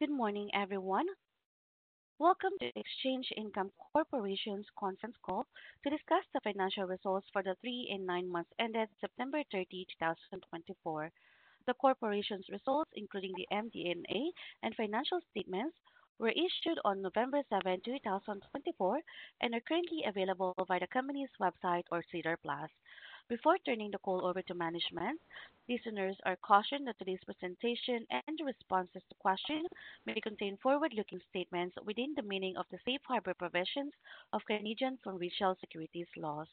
Good morning, everyone. Welcome to Exchange Income Corporation's conference call to discuss the financial results for the three and nine months ended September 30, 2024. The corporation's results, including the MD&A and financial statements, were issued on November 7, 2024, and are currently available via the company's website or SEDAR+. Before turning the call over to management, listeners are cautioned that today's presentation and responses to questions may contain forward-looking statements within the meaning of the safe harbor provisions of Canadian federal and provincial securities laws.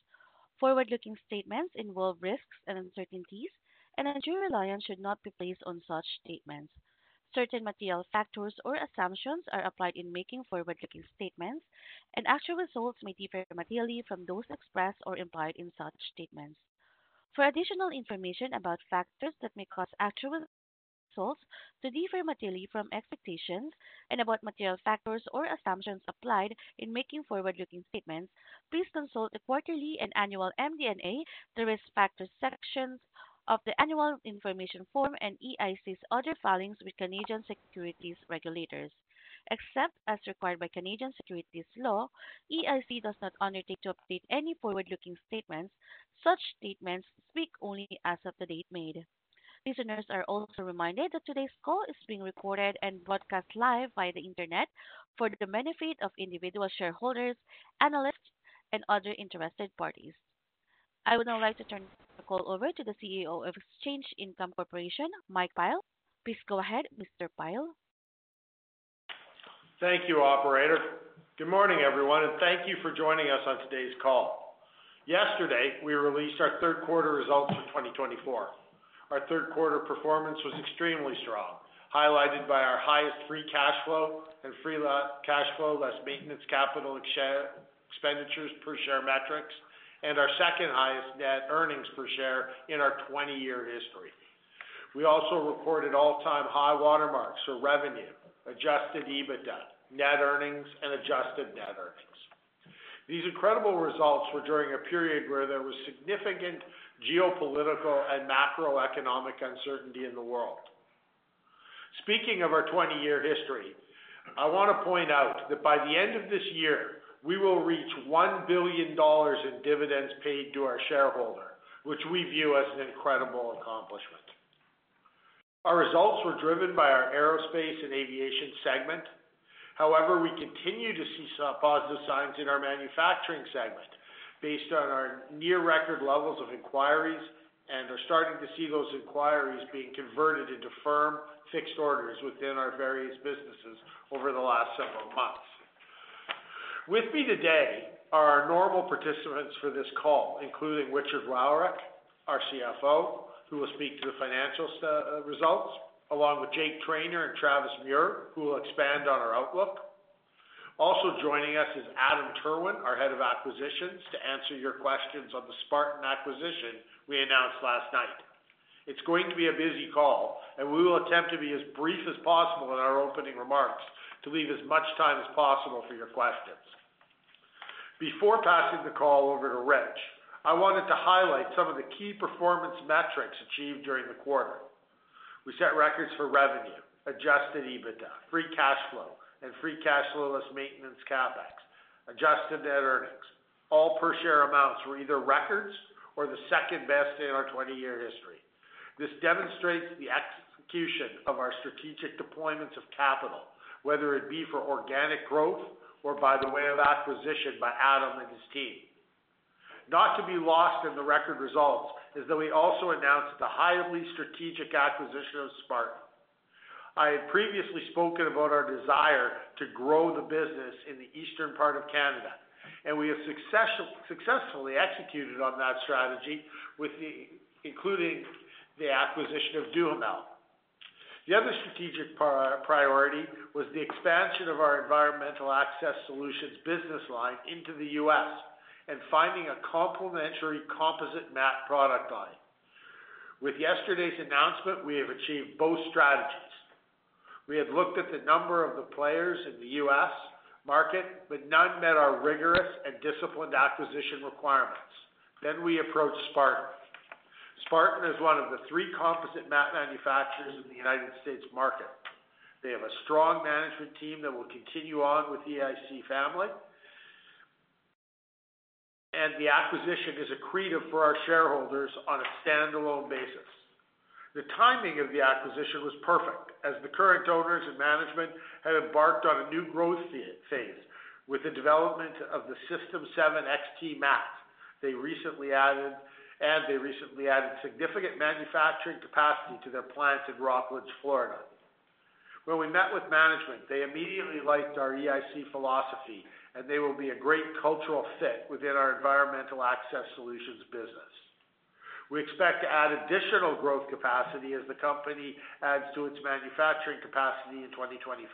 Forward-looking statements involve risks and uncertainties, and true reliance should not be placed on such statements. Certain material factors or assumptions are applied in making forward-looking statements, and actual results may differ materially from those expressed or implied in such statements. For additional information about factors that may cause actual results to differ materially from expectations and about material factors or assumptions applied in making forward-looking statements, please consult the quarterly and annual MD&A and risk factors sections of the annual information form and EIC's other filings with Canadian securities regulators. Except as required by Canadian securities law, EIC does not undertake to update any forward-looking statements. Such statements speak only as of the date made. Listeners are also reminded that today's call is being recorded and broadcast live via the internet for the benefit of individual shareholders, analysts, and other interested parties. I would now like to turn the call over to the CEO of Exchange Income Corporation, Mike Pyle. Please go ahead, Mr. Pyle. Thank you, Operator. Good morning, everyone, and thank you for joining us on today's call. Yesterday, we released our Q3 results for 2024. Our Q3 performance was extremely strong, highlighted by our highest free cash flow and free cash flow less maintenance capital expenditures per share metrics, and our second highest net earnings per share in our 20-year history. We also recorded all-time high watermarks for revenue, adjusted EBITDA, net earnings, and adjusted net earnings. These incredible results were during a period where there was significant geopolitical and macroeconomic uncertainty in the world. Speaking of our 20-year history, I want to point out that by the end of this year, we will reach 1 billion dollars in dividends paid to our shareholder, which we view as an incredible accomplishment. Our results were driven by our aerospace and aviation segment. However, we continue to see positive signs in our manufacturing segment based on our near-record levels of inquiries and are starting to see those inquiries being converted into firm fixed orders within our various businesses over the last several months. With me today are our normal participants for this call, including Richard Wowryk, our CFO, who will speak to the financial results, along with Jake Trainor and Travis Muhr, who will expand on our outlook. Also joining us is Adam Terwin, our head of acquisitions, to answer your questions on the Spartan acquisition we announced last night. It's going to be a busy call, and we will attempt to be as brief as possible in our opening remarks to leave as much time as possible for your questions. Before passing the call over to Rich, I wanted to highlight some of the key performance metrics achieved during the quarter. We set records for revenue, adjusted EBITDA, free cash flow, and free cash flow less maintenance CapEx, adjusted net earnings. All per share amounts were either records or the second best in our 20-year history. This demonstrates the execution of our strategic deployments of capital, whether it be for organic growth or by way of acquisition by Adam and his team. Not to be lost in the record results is that we also announced the highly strategic acquisition of Spartan. I had previously spoken about our desire to grow the business in the eastern part of Canada, and we have successfully executed on that strategy, including the acquisition of Duhamel. The other strategic priority was the expansion of our environmental access solutions business line into the U.S. and finding a complementary composite mat product line. With yesterday's announcement, we have achieved both strategies. We had looked at a number of players in the U.S. market, but none met our rigorous and disciplined acquisition requirements. Then we approached Spartan. Spartan is one of the three composite mat manufacturers in the United States market. They have a strong management team that will continue on with the EIC family, and the acquisition is accretive for our shareholders on a standalone basis. The timing of the acquisition was perfect, as the current owners and management have embarked on a new growth phase with the development of the System 7 XT mat they recently added, and they recently added significant manufacturing capacity to their plant in Rockledge, Florida. When we met with management, they immediately liked our EIC philosophy, and they will be a great cultural fit within our environmental access solutions business. We expect to add additional growth capacity as the company adds to its manufacturing capacity in 2025,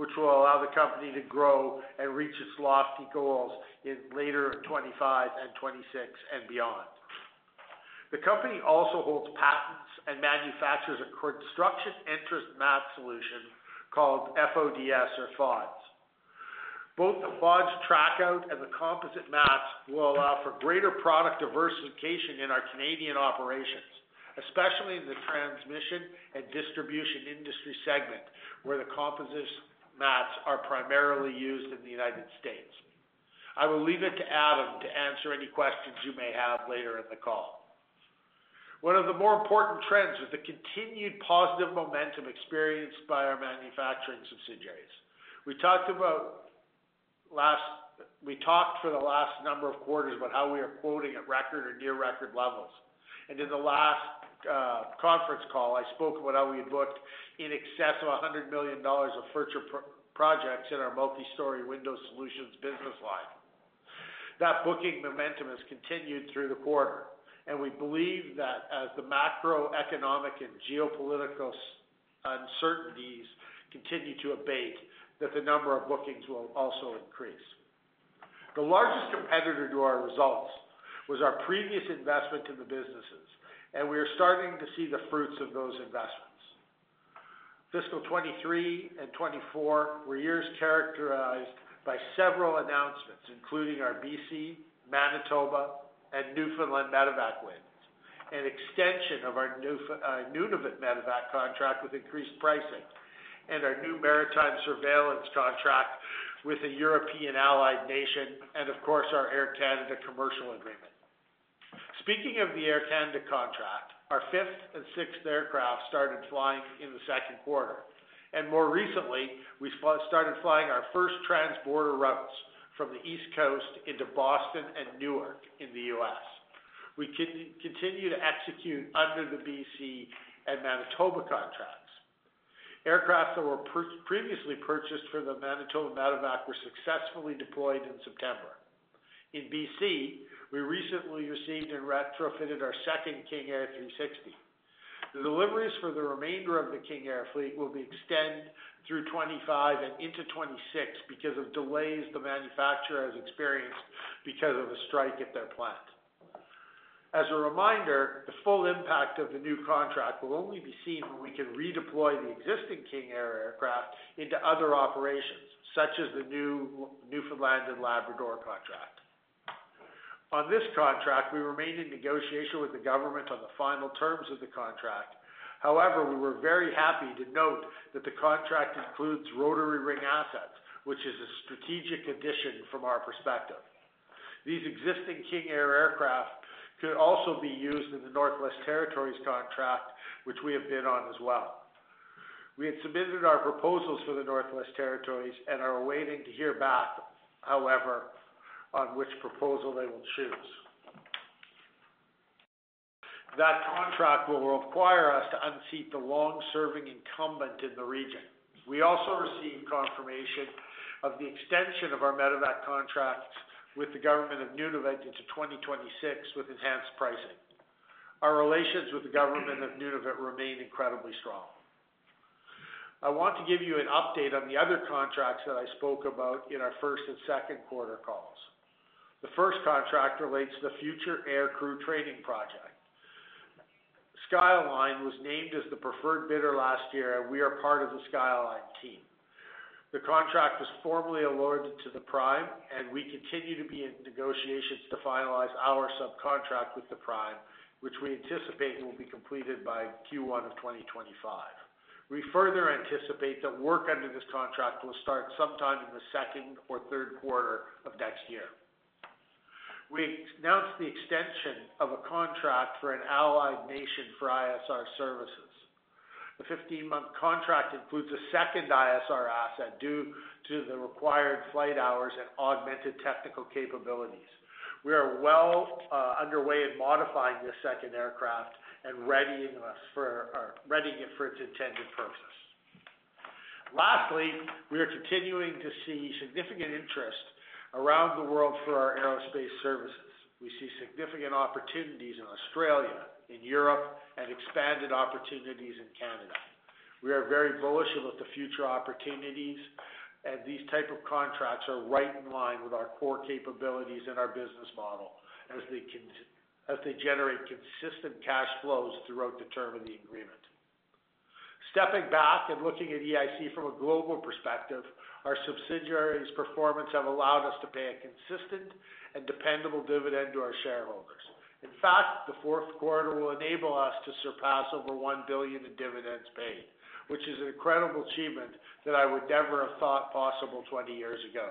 which will allow the company to grow and reach its lofty goals in later 2025 and 2026 and beyond. The company also holds patents and manufactures a construction access mat solution called FODS or FODS. Both the FODS trackout and the composite mats will allow for greater product diversification in our Canadian operations, especially in the transmission and distribution industry segment, where the composite mats are primarily used in the United States. I will leave it to Adam to answer any questions you may have later in the call. One of the more important trends is the continued positive momentum experienced by our manufacturing subsidiaries. We talked about last, we talked for the last number of quarters about how we are quoting at record or near-record levels. And in the last conference call, I spoke about how we had booked in excess of 100 million dollars of future projects in our multi-story window solutions business line. That booking momentum has continued through the quarter, and we believe that as the macroeconomic and geopolitical uncertainties continue to abate, the number of bookings will also increase. The largest competitor to our results was our previous investment in the businesses, and we are starting to see the fruits of those investments. Fiscal 2023 and 2024 were years characterized by several announcements, including our BC, Manitoba, and Newfoundland medevac wins, an extension of our Nunavut medevac contract with increased pricing, and our new maritime surveillance contract with a European allied nation, and of course, our Air Canada commercial agreement. Speaking of the Air Canada contract, our fifth and sixth aircraft started flying in the Q2, and more recently, we started flying our first transborder routes from the East Coast into Boston and Newark in the U.S. We continue to execute under the BC and Manitoba contracts. Aircraft that were previously purchased for the Manitoba medevac were successfully deployed in September. In BC, we recently received and retrofitted our second King Air 360. The deliveries for the remainder of the King Air fleet will be extended through 2025 and into 2026 because of delays the manufacturer has experienced because of a strike at their plant. As a reminder, the full impact of the new contract will only be seen when we can redeploy the existing King Air aircraft into other operations, such as the new Newfoundland and Labrador contract. On this contract, we remain in negotiation with the government on the final terms of the contract. However, we were very happy to note that the contract includes rotary wing assets, which is a strategic addition from our perspective. These existing King Air aircraft could also be used in the Northwest Territories contract, which we have been on as well. We had submitted our proposals for the Northwest Territories and are awaiting to hear back, however, on which proposal they will choose. That contract will require us to unseat the long-serving incumbent in the region. We also received confirmation of the extension of our medevac contracts with the Government of Nunavut into 2026 with enhanced pricing. Our relations with the Government of Nunavut remain incredibly strong. I want to give you an update on the other contracts that I spoke about in our Q1 and Q2 calls. The first contract relates to the future air crew training project. SkyAlyne was named as the preferred bidder last year, and we are part of the SkyAlyne team. The contract was formally awarded to the prime, and we continue to be in negotiations to finalize our subcontract with the prime, which we anticipate will be completed by Q1 of 2025. We further anticipate that work under this contract will start sometime in the Q2 or Q3 of next year. We announced the extension of a contract for an allied nation for ISR services. The 15-month contract includes a second ISR asset due to the required flight hours and augmented technical capabilities. We are well underway in modifying this second aircraft and readying it for its intended purpose. Lastly, we are continuing to see significant interest around the world for our aerospace services. We see significant opportunities in Australia, in Europe, and expanded opportunities in Canada. We are very bullish about the future opportunities, and these types of contracts are right in line with our core capabilities and our business model as they generate consistent cash flows throughout the term of the agreement. Stepping back and looking at EIC from a global perspective, our subsidiaries' performance has allowed us to pay a consistent and dependable dividend to our shareholders. In fact, the Q4 will enable us to surpass over 1 billion in dividends paid, which is an incredible achievement that I would never have thought possible 20 years ago.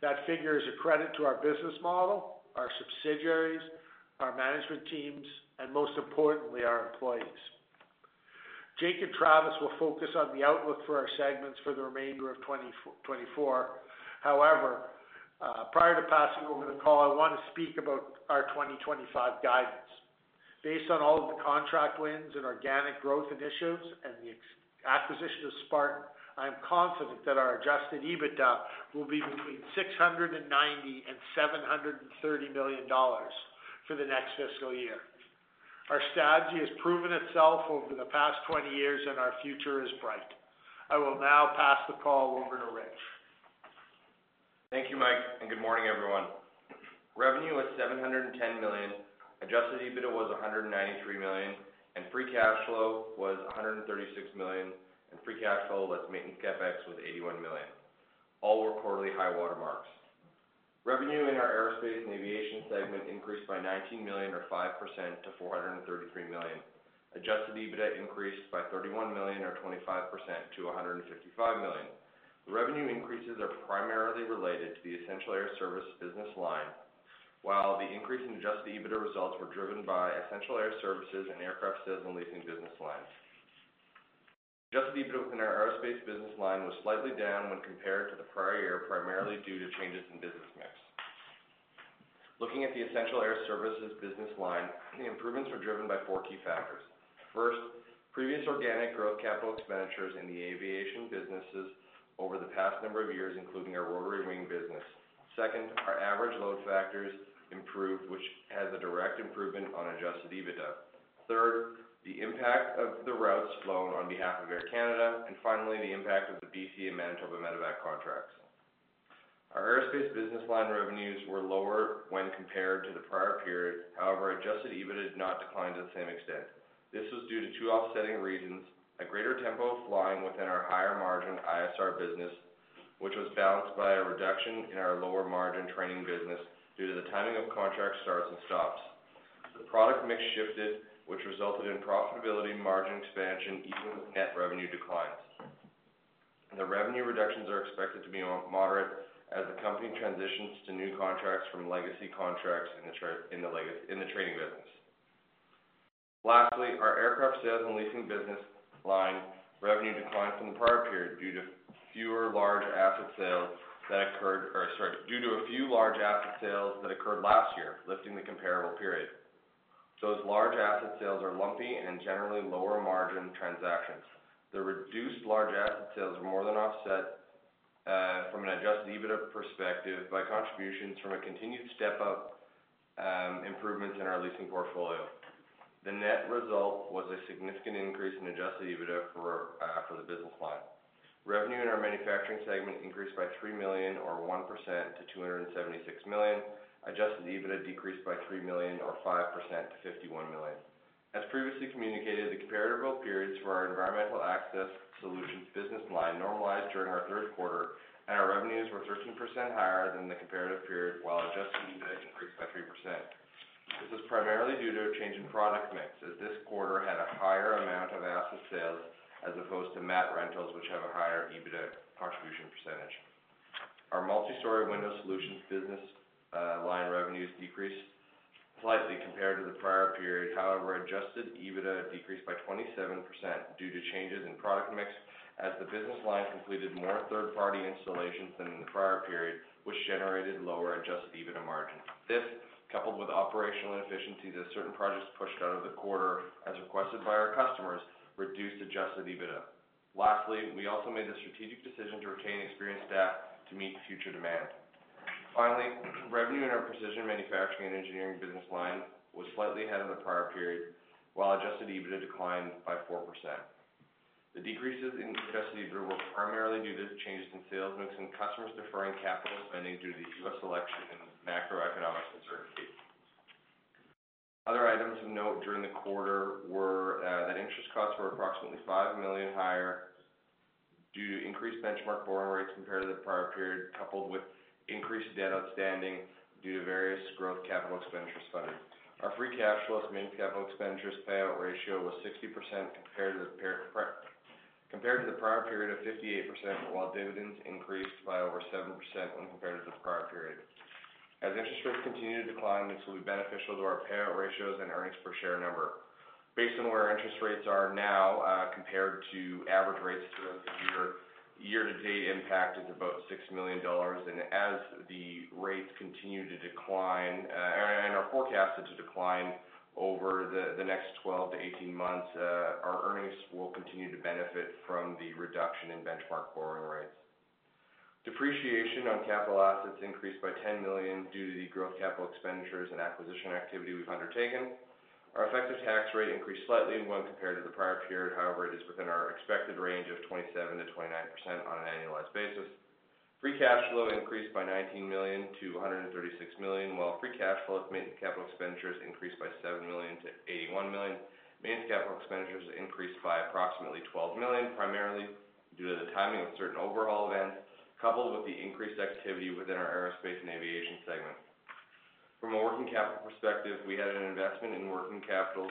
That figure is a credit to our business model, our subsidiaries, our management teams, and most importantly, our employees. Jake and Travis will focus on the outlook for our segments for the remainder of 2024. However, prior to passing over the call, I want to speak about our 2025 guidance. Based on all of the contract wins and organic growth initiatives and the acquisition of Spartan, I am confident that our adjusted EBITDA will be between 690 million and 730 million dollars for the next fiscal year. Our strategy has proven itself over the past 20 years, and our future is bright. I will now pass the call over to Rich. Thank you, Mike, and good morning, everyone. Revenue was 710 million, adjusted EBITDA was 193 million, and free cash flow was 136 million, and free cash flow less maintenance CapEx was 81 million. All were quarterly high watermarks. Revenue in our aerospace and aviation segment increased by 19 million, or 5%, to 433 million. Adjusted EBITDA increased by 31 million, or 25%, to 155 million. The revenue increases are primarily related to the essential air services business line, while the increase in adjusted EBITDA results were driven by essential air services and aircraft sales and leasing business lines. Adjusted EBITDA within our aerospace business line was slightly down when compared to the prior year, primarily due to changes in business mix. Looking at the essential air services business line, the improvements were driven by four key factors. First, previous organic growth capital expenditures in the aviation businesses over the past number of years, including our Rotary wing business. Second, our average load factors improved, which has a direct improvement on Adjusted EBITDA. Third, the impact of the routes flown on behalf of Air Canada, and finally, the impact of the BC and Manitoba Medevac contracts. Our aerospace business line revenues were lower when compared to the prior period. However, Adjusted EBITDA did not decline to the same extent. This was due to two offsetting reasons: a greater tempo of flying within our higher margin ISR business, which was balanced by a reduction in our lower margin training business due to the timing of contract starts and stops. The product mix shifted, which resulted in profitability margin expansion, even with net revenue declines. The revenue reductions are expected to be moderate as the company transitions to new contracts from legacy contracts in the training business. Lastly, our aircraft sales and leasing business line revenue declined from the prior period due to fewer large asset sales that occurred, or sorry, due to a few large asset sales that occurred last year, lifting the comparable period. Those large asset sales are lumpy and generally lower margin transactions. The reduced large asset sales were more than offset from an Adjusted EBITDA perspective by contributions from a continued step-up improvements in our leasing portfolio. The net result was a significant increase in Adjusted EBITDA for the business line. Revenue in our manufacturing segment increased by 3 million, or 1%, to 276 million. Adjusted EBITDA decreased by 3 million, or 5%, to 51 million. As previously communicated, the comparative growth periods for our environmental access solutions business line normalized during our Q3, and our revenues were 13% higher than the comparative period, while Adjusted EBITDA increased by 3%. This is primarily due to a change in product mix, as this quarter had a higher amount of asset sales as opposed to mat rentals, which have a higher EBITDA contribution percentage. Our multi-story window solutions business line revenues decreased slightly compared to the prior period. However, Adjusted EBITDA decreased by 27% due to changes in product mix, as the business line completed more third-party installations than in the prior period, which generated lower Adjusted EBITDA margin. This, coupled with operational inefficiencies at certain projects pushed out of the quarter as requested by our customers, reduced Adjusted EBITDA. Lastly, we also made the strategic decision to retain experienced staff to meet future demand. Finally, revenue in our precision manufacturing and engineering business line was slightly ahead of the prior period, while Adjusted EBITDA declined by 4%. The decreases in Adjusted EBITDA were primarily due to changes in sales mix and customers deferring capital spending due to the U.S. election and macroeconomic uncertainty. Other items of note during the quarter were that interest costs were approximately 5 million higher due to increased benchmark borrowing rates compared to the prior period, coupled with increased debt outstanding due to various growth capital expenditures funded. Our free cash flow to maintenance capital expenditures payout ratio was 60% compared to the prior period of 58%, while dividends increased by over 7% when compared to the prior period. As interest rates continue to decline, this will be beneficial to our payout ratios and earnings per share number. Based on where interest rates are now compared to average rates throughout the year, year-to-date impact is about 6 million dollars, and as the rates continue to decline, and are forecasted to decline over the next 12 to 18 months, our earnings will continue to benefit from the reduction in benchmark borrowing rates. Depreciation on capital assets increased by 10 million due to the growth capital expenditures and acquisition activity we've undertaken. Our effective tax rate increased slightly when compared to the prior period. However, it is within our expected range of 27%-29% on an annualized basis. Free cash flow increased by 19 million to 136 million, while free cash flow to maintenance capital expenditures increased by 7 million to 81 million. Maintenance capital expenditures increased by approximately 12 million, primarily due to the timing of certain overhaul events, coupled with the increased activity within our aerospace and aviation segment. From a working capital perspective, we had an investment in working capital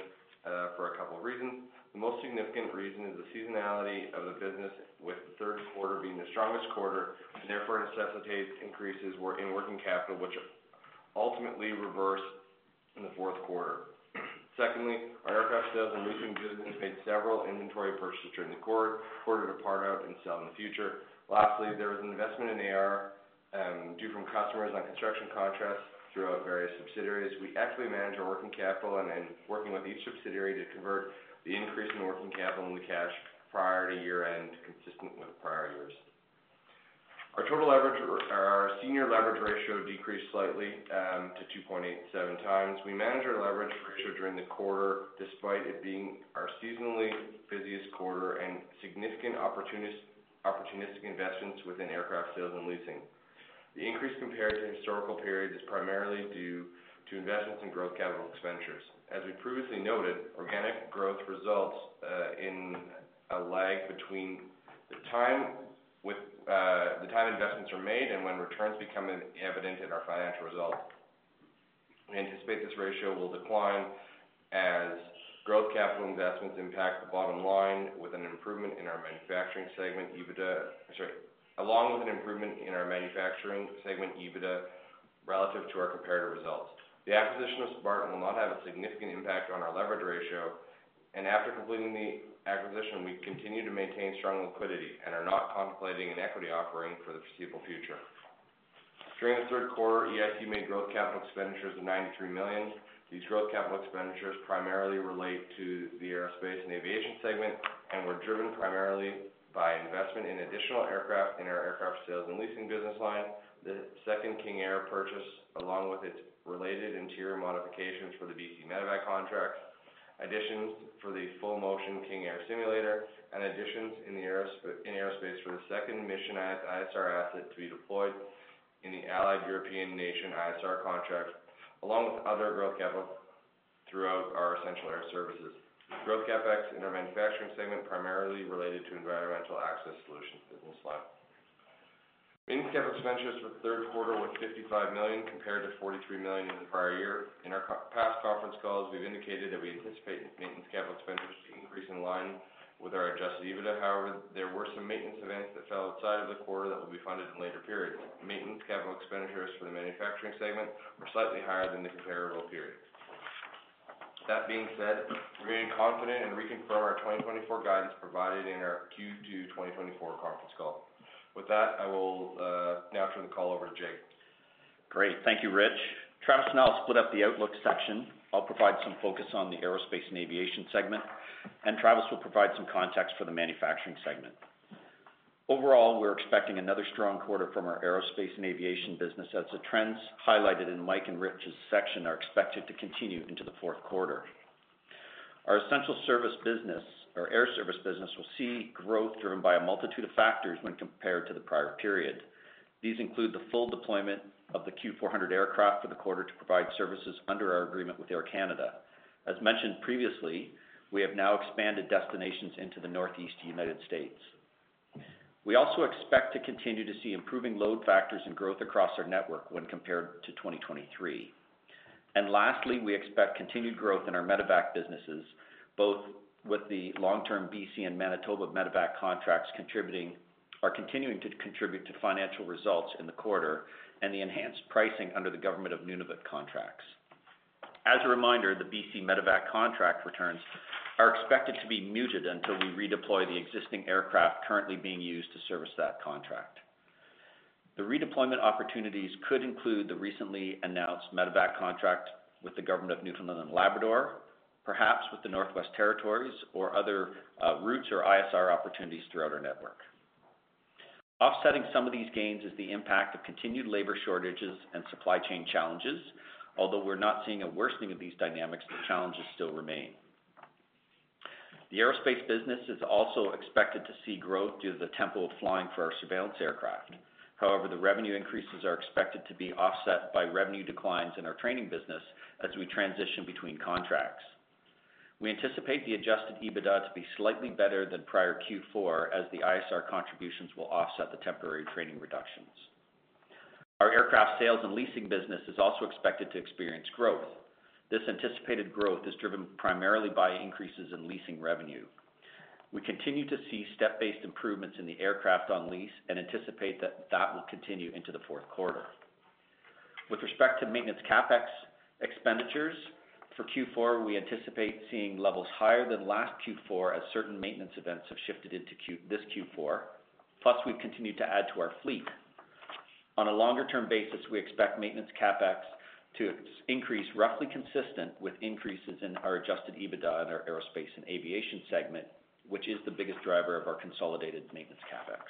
for a couple of reasons. The most significant reason is the seasonality of the business, with the Q3 being the strongest quarter, and therefore necessitates increases in working capital, which ultimately reversed in the Q4. Secondly, our aircraft sales and leasing business made several inventory purchases during the quarter to part out and sell in the future. Lastly, there was an investment in AR due from customers on construction contracts throughout various subsidiaries. We actively manage our working capital and are working with each subsidiary to convert the increase in working capital into cash prior to year-end, consistent with prior years. Our senior leverage ratio decreased slightly to 2.87 times. We managed our leverage ratio during the quarter despite it being our seasonally busiest quarter and significant opportunistic investments within aircraft sales and leasing. The increase compared to historical periods is primarily due to investments in growth capital expenditures. As we previously noted, organic growth results in a lag between the time investments are made and when returns become evident in our financial results. We anticipate this ratio will decline as growth capital investments impact the bottom line with an improvement in our manufacturing segment, EBITDA, sorry, along with an improvement in our manufacturing segment EBITDA relative to our comparative results. The acquisition of Spartan will not have a significant impact on our leverage ratio, and after completing the acquisition, we continue to maintain strong liquidity and are not contemplating an equity offering for the foreseeable future. During the Q3, EIC made growth capital expenditures of 93 million. These growth capital expenditures primarily relate to the aerospace and aviation segment and were driven primarily by investment in additional aircraft in our aircraft sales and leasing business line, the second King Air purchase along with its related interior modifications for the BC medevac contract, additions for the full-motion King Air simulator, and additions in aerospace for the second mission ISR asset to be deployed in the allied European nation ISR contract, along with other growth capital throughout our essential air services. Growth CapEx in our manufacturing segment primarily related to environmental access solutions business line. Maintenance capital expenditures for the Q3 were 55 million compared to 43 million in the prior year. In our past conference calls, we've indicated that we anticipate maintenance capital expenditures to increase in line with our Adjusted EBITDA. However, there were some maintenance events that fell outside of the quarter that will be funded in later periods. Maintenance capital expenditures for the manufacturing segment were slightly higher than the comparable period. That being said, we're confident and reconfirm our 2024 guidance provided in our Q2 2024 conference call. With that, I will now turn the call over to Jake. Great. Thank you, Rich. Travis and I will split up the outlook section. I'll provide some focus on the aerospace and aviation segment, and Travis will provide some context for the manufacturing segment. Overall, we're expecting another strong quarter from our aerospace and aviation business as the trends highlighted in Mike and Rich's section are expected to continue into the Q4. Our essential service business, our air service business, will see growth driven by a multitude of factors when compared to the prior period. These include the full deployment of the Q400 aircraft for the quarter to provide services under our agreement with Air Canada. As mentioned previously, we have now expanded destinations into the Northeast United States. We also expect to continue to see improving load factors and growth across our network when compared to 2023. And lastly, we expect continued growth in our medevac businesses, both with the long-term BC and Manitoba medevac contracts continuing to contribute to financial results in the quarter and the enhanced pricing under the Government of Nunavut contracts. As a reminder, the BC medevac contract returns are expected to be muted until we redeploy the existing aircraft currently being used to service that contract. The redeployment opportunities could include the recently announced medevac contract with the Government of Newfoundland and Labrador, perhaps with the Northwest Territories, or other routes or ISR opportunities throughout our network. Offsetting some of these gains is the impact of continued labor shortages and supply chain challenges. Although we're not seeing a worsening of these dynamics, the challenges still remain. The aerospace business is also expected to see growth due to the tempo of flying for our surveillance aircraft. However, the revenue increases are expected to be offset by revenue declines in our training business as we transition between contracts. We anticipate the Adjusted EBITDA to be slightly better than prior Q4, as the ISR contributions will offset the temporary training reductions. Our aircraft sales and leasing business is also expected to experience growth. This anticipated growth is driven primarily by increases in leasing revenue. We continue to see step-based improvements in the aircraft on lease and anticipate that that will continue into the Q4. With respect to maintenance CapEx expenditures for Q4, we anticipate seeing levels higher than last Q4 as certain maintenance events have shifted into this Q4, plus we've continued to add to our fleet. On a longer-term basis, we expect maintenance CapEx to increase roughly consistent with increases in our Adjusted EBITDA in our aerospace and aviation segment, which is the biggest driver of our consolidated maintenance CapEx.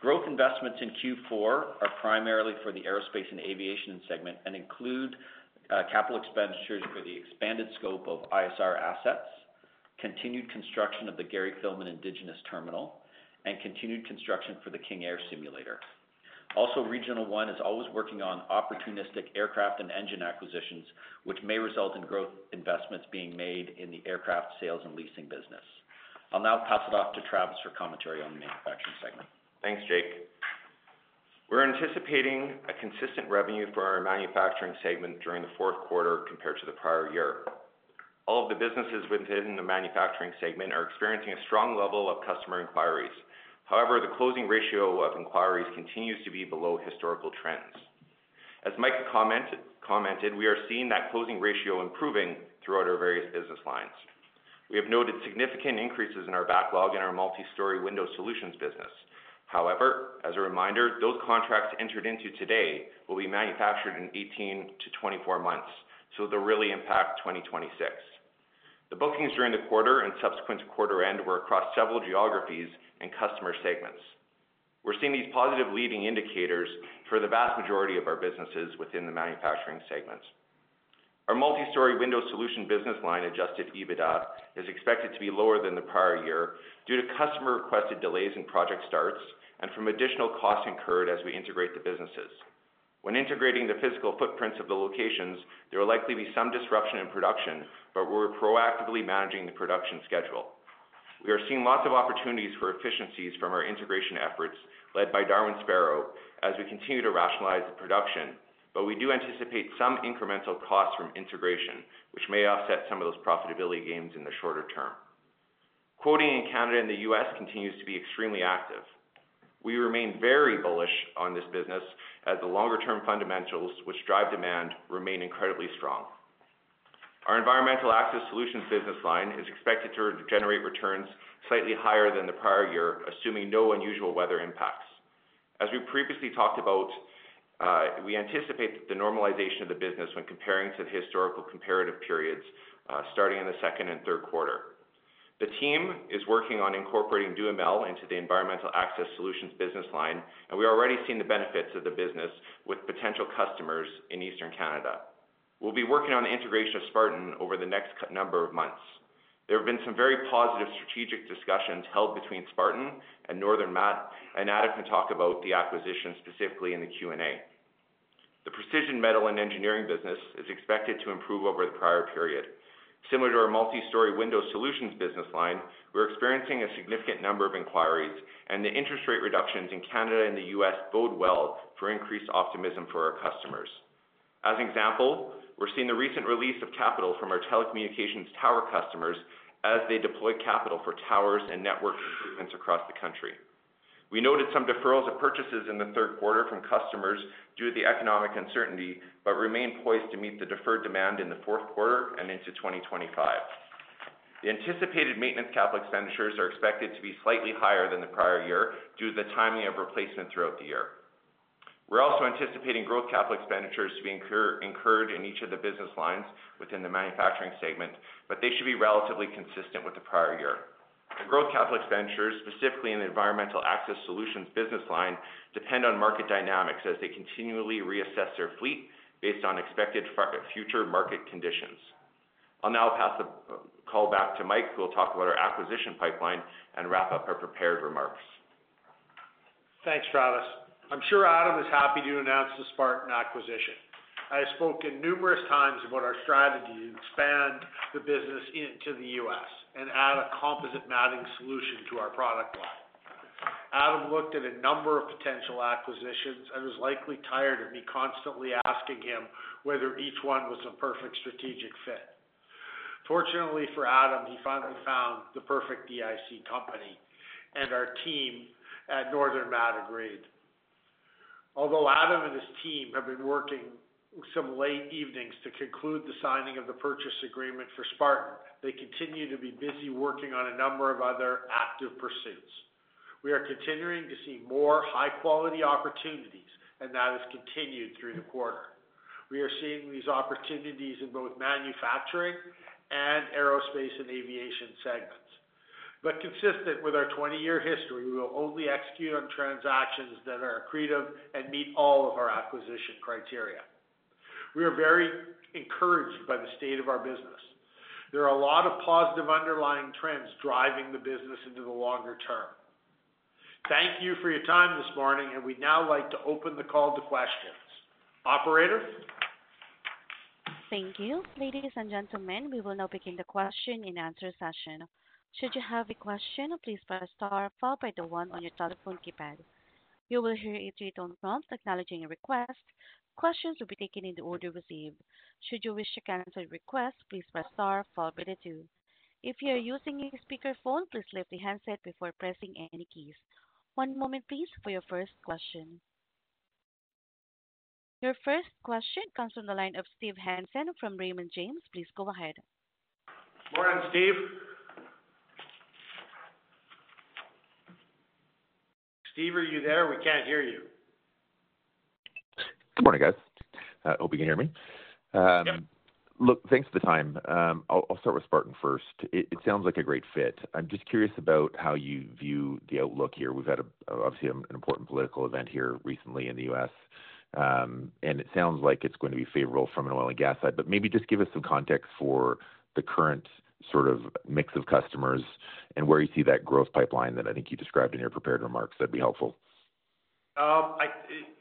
Growth investments in Q4 are primarily for the aerospace and aviation segment and include capital expenditures for the expanded scope of ISR assets, continued construction of the Gerry Fillmore Indigenous Terminal, and continued construction for the King Air simulator. Also, Regional One is always working on opportunistic aircraft and engine acquisitions, which may result in growth investments being made in the aircraft sales and leasing business. I'll now pass it off to Travis for commentary on the manufacturing segment. Thanks, Jake. We're anticipating a consistent revenue for our manufacturing segment during the Q4 compared to the prior year. All of the businesses within the manufacturing segment are experiencing a strong level of customer inquiries. However, the closing ratio of inquiries continues to be below historical trends. As Mike commented, we are seeing that closing ratio improving throughout our various business lines. We have noted significant increases in our backlog in our multistory window solutions business. However, as a reminder, those contracts entered into today will be manufactured in 18-24 months, so they'll really impact 2026. The bookings during the quarter and subsequent quarter end were across several geographies and customer segments. We're seeing these positive leading indicators for the vast majority of our businesses within the manufacturing segment. Our multistory window solution business line Adjusted EBITDA is expected to be lower than the prior year due to customer-requested delays in project starts and from additional costs incurred as we integrate the businesses. When integrating the physical footprints of the locations, there will likely be some disruption in production, but we're proactively managing the production schedule. We are seeing lots of opportunities for efficiencies from our integration efforts led by Darwin Sparrow as we continue to rationalize the production, but we do anticipate some incremental costs from integration, which may offset some of those profitability gains in the shorter term. Quoting in Canada and the U.S. continues to be extremely active. We remain very bullish on this business as the longer-term fundamentals, which drive demand, remain incredibly strong. Our environmental access solutions business line is expected to generate returns slightly higher than the prior year, assuming no unusual weather impacts. As we previously talked about, we anticipate the normalization of the business when comparing to the historical comparative periods starting in the Q2 and Q3. The team is working on incorporating Duhamel into the environmental access solutions business line, and we are already seeing the benefits of the business with potential customers in Eastern Canada. We'll be working on the integration of Spartan over the next number of months. There have been some very positive strategic discussions held between Spartan and Northern Mat, and Adam can talk about the acquisition specifically in the Q&A. The precision manufacturing and engineering business is expected to improve over the prior period. Similar to our multistory window solutions business line, we're experiencing a significant number of inquiries, and the interest rate reductions in Canada and the U.S. bode well for increased optimism for our customers. As an example, we're seeing the recent release of capital from our telecommunications tower customers as they deploy capital for towers and network improvements across the country. We noted some deferrals of purchases in the Q3 from customers due to the economic uncertainty but remain poised to meet the deferred demand in the Q4 and into 2025. The anticipated maintenance capital expenditures are expected to be slightly higher than the prior year due to the timing of replacement throughout the year. We're also anticipating growth capital expenditures to be incurred in each of the business lines within the manufacturing segment, but they should be relatively consistent with the prior year. The growth capital expenditures, specifically in the environmental access solutions business line, depend on market dynamics as they continually reassess their fleet based on expected future market conditions. I'll now pass the call back to Mike, who will talk about our acquisition pipeline and wrap up our prepared remarks. Thanks, Travis. I'm sure Adam is happy to announce the Spartan acquisition. I have spoken numerous times about our strategy to expand the business into the U.S. and add a composite matting solution to our product line. Adam looked at a number of potential acquisitions and was likely tired of me constantly asking him whether each one was a perfect strategic fit. Fortunately for Adam, he finally found the perfect EIC company, and our team at Northern Mat agreed. Although Adam and his team have been working some late evenings to conclude the signing of the purchase agreement for Spartan, they continue to be busy working on a number of other active pursuits. We are continuing to see more high-quality opportunities, and that has continued through the quarter. We are seeing these opportunities in both manufacturing and aerospace and aviation segments. but consistent with our 20-year history, we will only execute on transactions that are accretive and meet all of our acquisition criteria. We are very encouraged by the state of our business. There are a lot of positive underlying trends driving the business into the longer term. Thank you for your time this morning, and we'd now like to open the call to questions. Operator? Thank you. Ladies and gentlemen, we will now begin the question and answer session. Should you have a question, please press star followed by the one on your telephone keypad. You will hear a three-tone prompt acknowledging your request. Questions will be taken in the order received. Should you wish to cancel your request, please press star followed by the two. If you are using a speakerphone, please lift the handset before pressing any keys. One moment, please, for your first question. Your first question comes from the line of Steve Hansen from Raymond James. Please go ahead. Morning, Steve. Steve, are you there? We can't hear you. Good morning, guys. Hope you can hear me. Yep. Look, thanks for the time. I'll start with Spartan first. It sounds like a great fit. I'm just curious about how you view the outlook here. We've had, obviously, an important political event here recently in the U.S., and it sounds like it's going to be favorable from an oil and gas side. But maybe just give us some context for the current sort of mix of customers and where you see that growth pipeline that I think you described in your prepared remarks. That'd be helpful.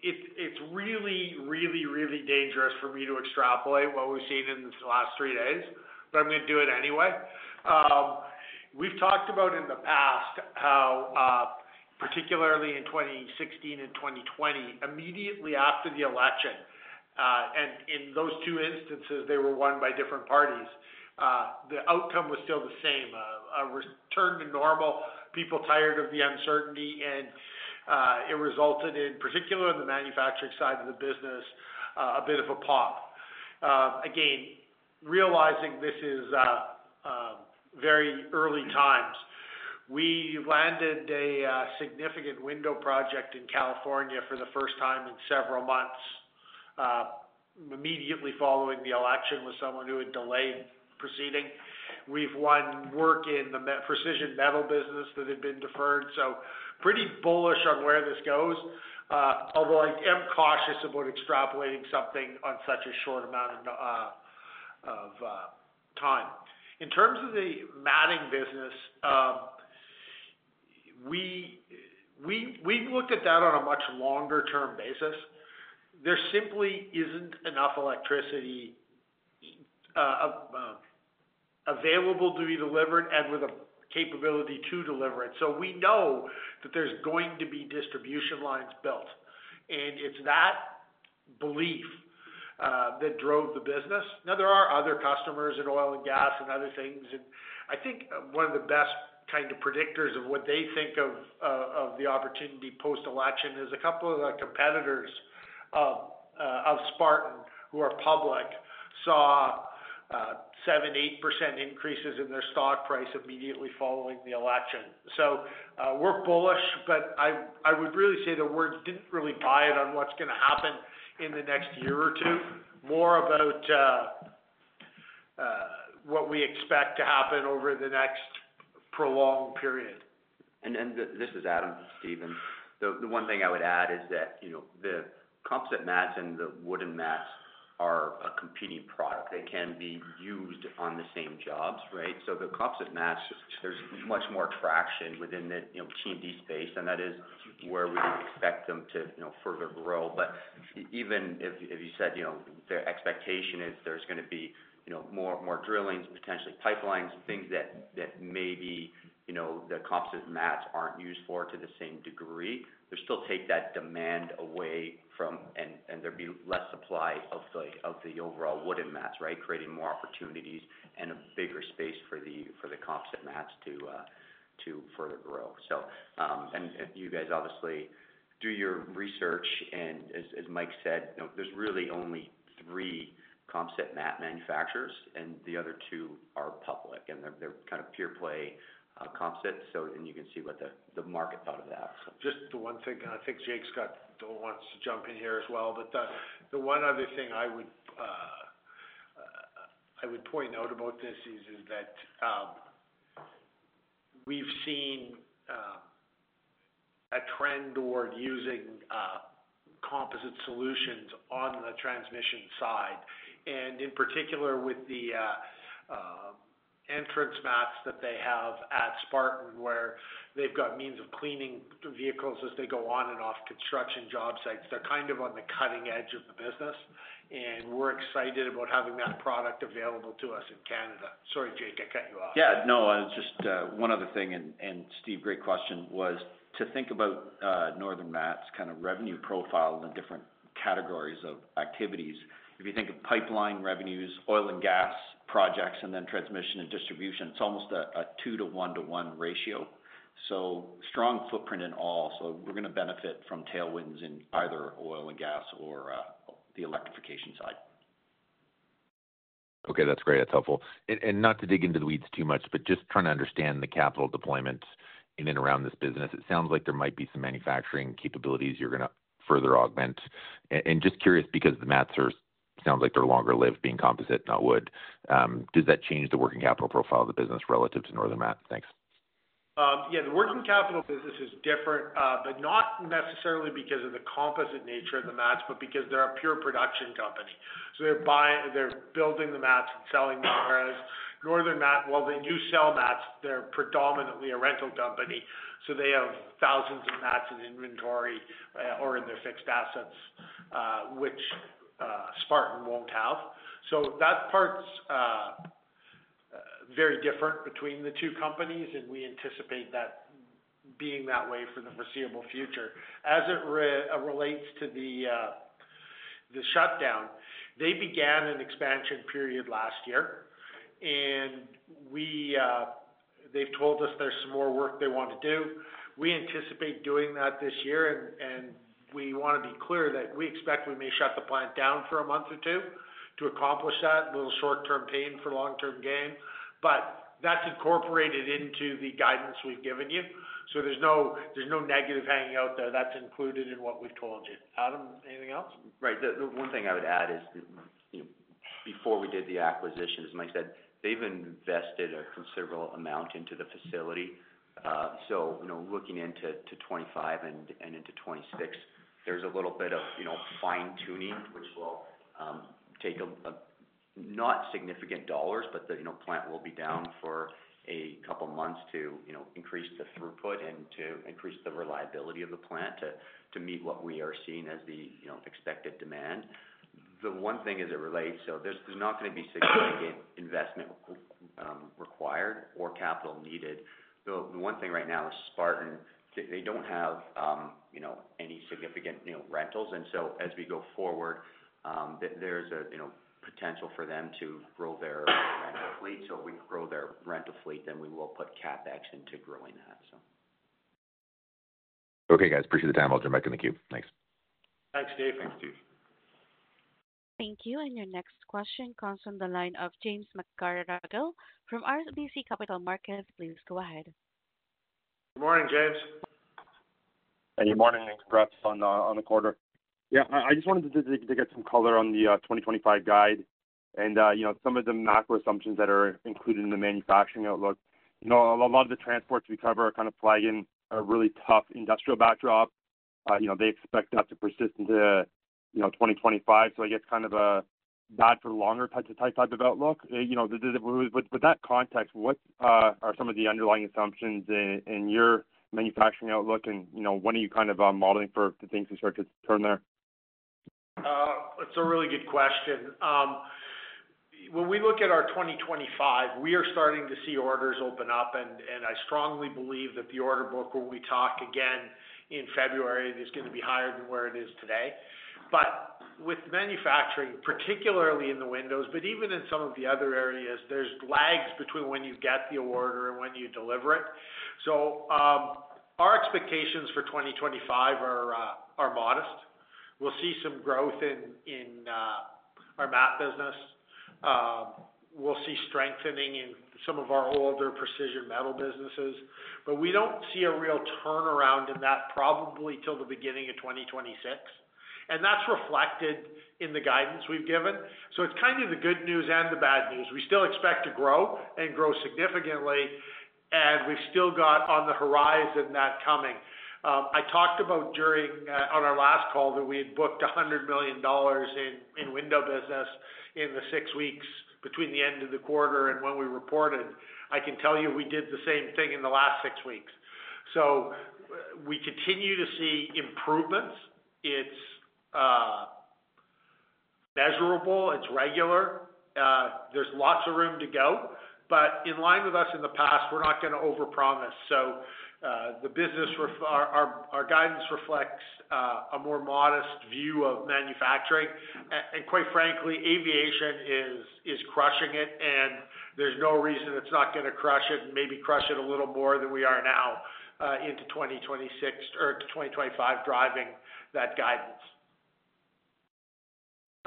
It's really, really, really dangerous for me to extrapolate what we've seen in the last three days, but I'm going to do it anyway. We've talked about in the past how, particularly in 2016 and 2020, immediately after the election, and in those two instances, they were won by different parties, the outcome was still the same: a return to normal, people tired of the uncertainty, and it resulted in, particularly on the manufacturing side of the business, a bit of a pop. Again, realizing this is very early times, we landed a significant window project in California for the first time in several months, immediately following the election with someone who had delayed proceeding. We've won work in the precision metal business that had been deferred. So pretty bullish on where this goes, although I am cautious about extrapolating something on such a short amount of time. In terms of the matting business, we've looked at that on a much longer-term basis. There simply isn't enough electricity available to be delivered and with a capability to deliver it, so we know that there's going to be distribution lines built, and it's that belief that drove the business. Now, there are other customers in oil and gas and other things, and I think one of the best kind of predictors of what they think of the opportunity post-election is a couple of the competitors of Spartan who are public saw 7%-8% increases in their stock price immediately following the election, so we're bullish, but I would really say the words didn't really buy it on what's going to happen in the next year or two, more about what we expect to happen over the next prolonged period. And this is Adam, Steven. The one thing I would add is that the composite mats and the wooden mats are a competing product. They can be used on the same jobs, right? So the composite mats, there's much more traction within the T&D space, and that is where we expect them to further grow. But even if you said their expectation is there's going to be more drillings, potentially pipelines, things that maybe the composite mats aren't used for to the same degree, they'll still take that demand away from, and there'll be less supply of the overall wooden mats, right, creating more opportunities and a bigger space for the composite mats to further grow. And you guys obviously do your research, and as Mike said, there's really only three composite mat manufacturers, and the other two are public, and they're kind of pure-play composites. So then you can see what the market thought of that. Just the one thing, and I think Jake wants to jump in here as well, but the one other thing I would point out about this is that we've seen a trend toward using composite solutions on the transmission side, and in particular with the entrance mats that they have at Spartan, where they've got means of cleaning vehicles as they go on and off construction job sites. They're kind of on the cutting edge of the business, and we're excited about having that product available to us in Canada. Sorry, Jake, I cut you off. Yeah, no, just one other thing, and Steve, great question, was to think about Northern Mat's kind of revenue profile in different categories of activities. If you think of pipeline revenues, oil and gas projects, and then transmission and distribution, it's almost a two to one to one ratio. So strong footprint in all. So we're going to benefit from tailwinds in either oil and gas or the electrification side. Okay, that's great. That's helpful. And not to dig into the weeds too much, but just trying to understand the capital deployments in and around this business. It sounds like there might be some manufacturing capabilities you're going to further augment. And just curious because the mats sound like they're longer-lived, being composite, not wood. Does that change the working capital profile of the business relative to Northern Mat? Thanks. Yeah, the working capital business is different, but not necessarily because of the composite nature of the mats, but because they're a pure production company. So, they're building the mats and selling them, whereas Northern Mat, while they do sell mats, they're predominantly a rental company. So, they have thousands of mats in inventory or in their fixed assets, which Spartan won't have. So that part's very different between the two companies, and we anticipate that being that way for the foreseeable future. As it relates to the shutdown, they began an expansion period last year, and they've told us there's some more work they want to do. We anticipate doing that this year, and we want to be clear that we expect we may shut the plant down for a month or two to accomplish that little short-term pain for long-term gain. But that's incorporated into the guidance we've given you. So there's no negative hanging out there. That's included in what we've told you. Adam, anything else? Right. The one thing I would add is before we did the acquisition, as Mike said, they've invested a considerable amount into the facility. So looking into 2025 and into 2026, there's a little bit of fine-tuning, which will take not significant dollars, but the plant will be down for a couple of months to increase the throughput and to increase the reliability of the plant to meet what we are seeing as the expected demand. The one thing as it relates, so there's not going to be significant investment required or capital needed. The one thing right now is Spartan, they don't have any significant rentals. And so as we go forward, there's a potential for them to grow their rental fleet. So if we grow their rental fleet, then we will put CapEx into growing that, so. Okay, guys. Appreciate the time. I'll jump back in the queue. Thanks. Thanks, Steve. Thanks, Steve. Thank you. And your next question comes from the line of James McGarragle. From RBC Capital Markets, please go ahead. Good morning, James. Good morning, and congrats on the quarter. Yeah, I just wanted to get some color on the 2025 guide and some of the macro assumptions that are included in the manufacturing outlook. A lot of the transports we cover are kind of flagging a really tough industrial backdrop. They expect that to persist into 2025. So I guess kind of a bad for longer type of outlook. With that context, what are some of the underlying assumptions in your manufacturing outlook, and what are you kind of modeling for the things we start to turn there? It's a really good question. When we look at our 2025, we are starting to see orders open up, and I strongly believe that the order book when we talk again in February is going to be higher than where it is today. But with manufacturing, particularly in the windows, but even in some of the other areas, there's lags between when you get the order and when you deliver it. So our expectations for 2025 are modest. We'll see some growth in our mat business. We'll see strengthening in some of our older precision metal businesses. But we don't see a real turnaround in that probably till the beginning of 2026. And that's reflected in the guidance we've given. So it's kind of the good news and the bad news. We still expect to grow and grow significantly, and we've still got on the horizon that coming. I talked about during on our last call that we had booked 100 million dollars in window business in the six weeks between the end of the quarter and when we reported. I can tell you we did the same thing in the last six weeks. So we continue to see improvements. It's measurable. It's regular. There's lots of room to go. But in line with us in the past, we're not going to overpromise. So the business, our guidance reflects a more modest view of manufacturing. And quite frankly, aviation is crushing it, and there's no reason it's not going to crush it and maybe crush it a little more than we are now into 2026 or to 2025 driving that guidance.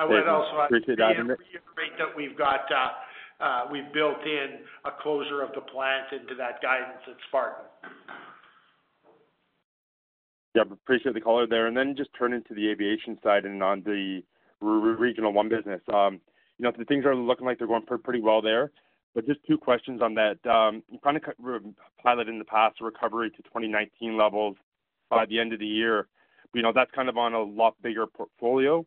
I would also like to reiterate that we've built in a closure of the plant into that guidance at Spartan. Yeah, appreciate the color there. And then just turning to the aviation side and on the Regional One business, the things are looking like they're going pretty well there. But just two questions on that. You kind of projected in the past recovery to 2019 levels by the end of the year. That's kind of on a lot bigger portfolio,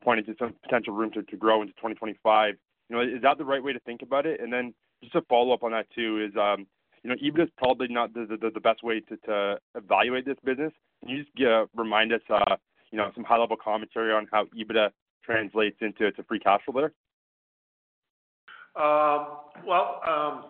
pointing to some potential room to grow into 2025. Is that the right way to think about it? And then just a follow-up on that too is EBITDA is probably not the best way to evaluate this business. Can you just remind us some high-level commentary on how EBITDA translates into free cash flow there? Well,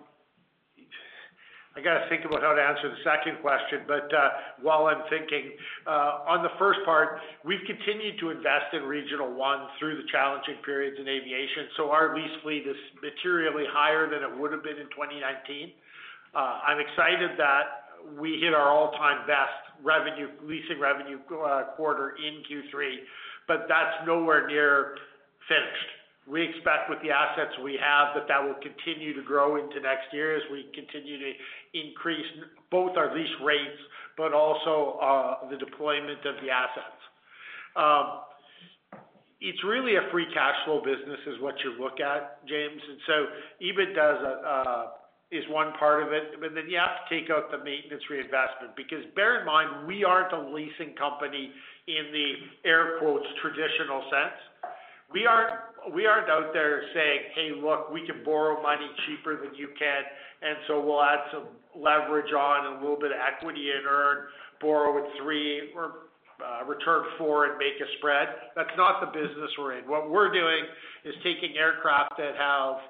I got to think about how to answer the second question, but while I'm thinking, on the first part, we've continued to invest in Regional One through the challenging periods in aviation. So our lease fleet is materially higher than it would have been in 2019. I'm excited that we hit our all-time best leasing revenue quarter in Q3, but that's nowhere near finished. We expect with the assets we have that that will continue to grow into next year as we continue to increase both our lease rates but also the deployment of the assets. It's really a free cash flow business is what you look at, James. And so EBITDA is one part of it, but then you have to take out the maintenance reinvestment because bear in mind, we aren't a leasing company in the air quotes traditional sense. We aren't out there saying, "Hey, look, we can borrow money cheaper than you can, and so we'll add some leverage on and a little bit of equity and earn, borrow at three or return four and make a spread." That's not the business we're in. What we're doing is taking aircraft that have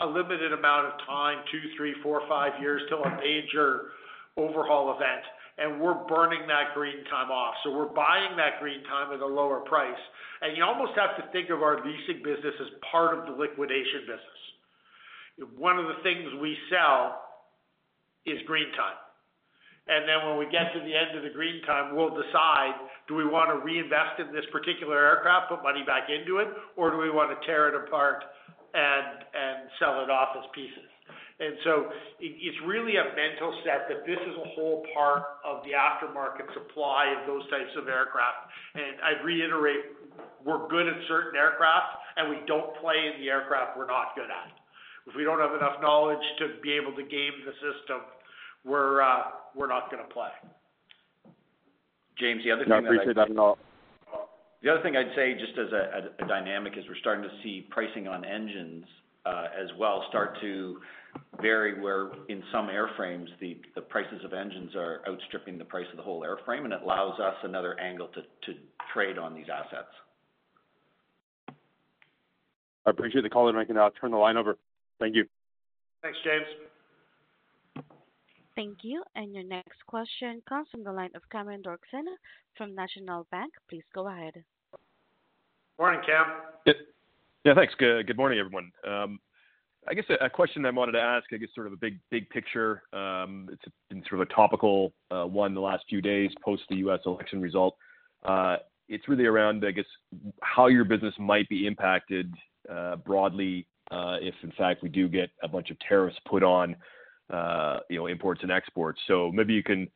a limited amount of time, two, three, four, five years till a major overhaul event, and we're burning that green time off. So we're buying that green time at a lower price. And you almost have to think of our leasing business as part of the liquidation business. One of the things we sell is green time. And then when we get to the end of the green time, we'll decide, "Do we want to reinvest in this particular aircraft, put money back into it, or do we want to tear it apart and sell it off as pieces?" And so it's really a mental set that this is a whole part of the aftermarket supply of those types of aircraft. And I'd reiterate, we're good at certain aircraft, and we don't play in the aircraft we're not good at. If we don't have enough knowledge to be able to game the system, we're not going to play. James, the other thing that. I appreciate that a lot. The other thing I'd say just as a dynamic is we're starting to see pricing on engines as well start to vary where in some airframes, the prices of engines are outstripping the price of the whole airframe, and it allows us another angle to trade on these assets. I appreciate the call, and I can now turn the line over. Thank you. Thanks, James. Thank you. And your next question comes from the line of Cameron Doerksen from National Bank. Please go ahead. Morning, Cam. Yeah, thanks. Good morning, everyone. I guess a question I wanted to ask, I guess sort of a big picture, it's been sort of a topical one the last few days post the U.S. election result. It's really around, I guess, how your business might be impacted broadly if, in fact, we do get a bunch of tariffs put on imports and exports. So maybe you can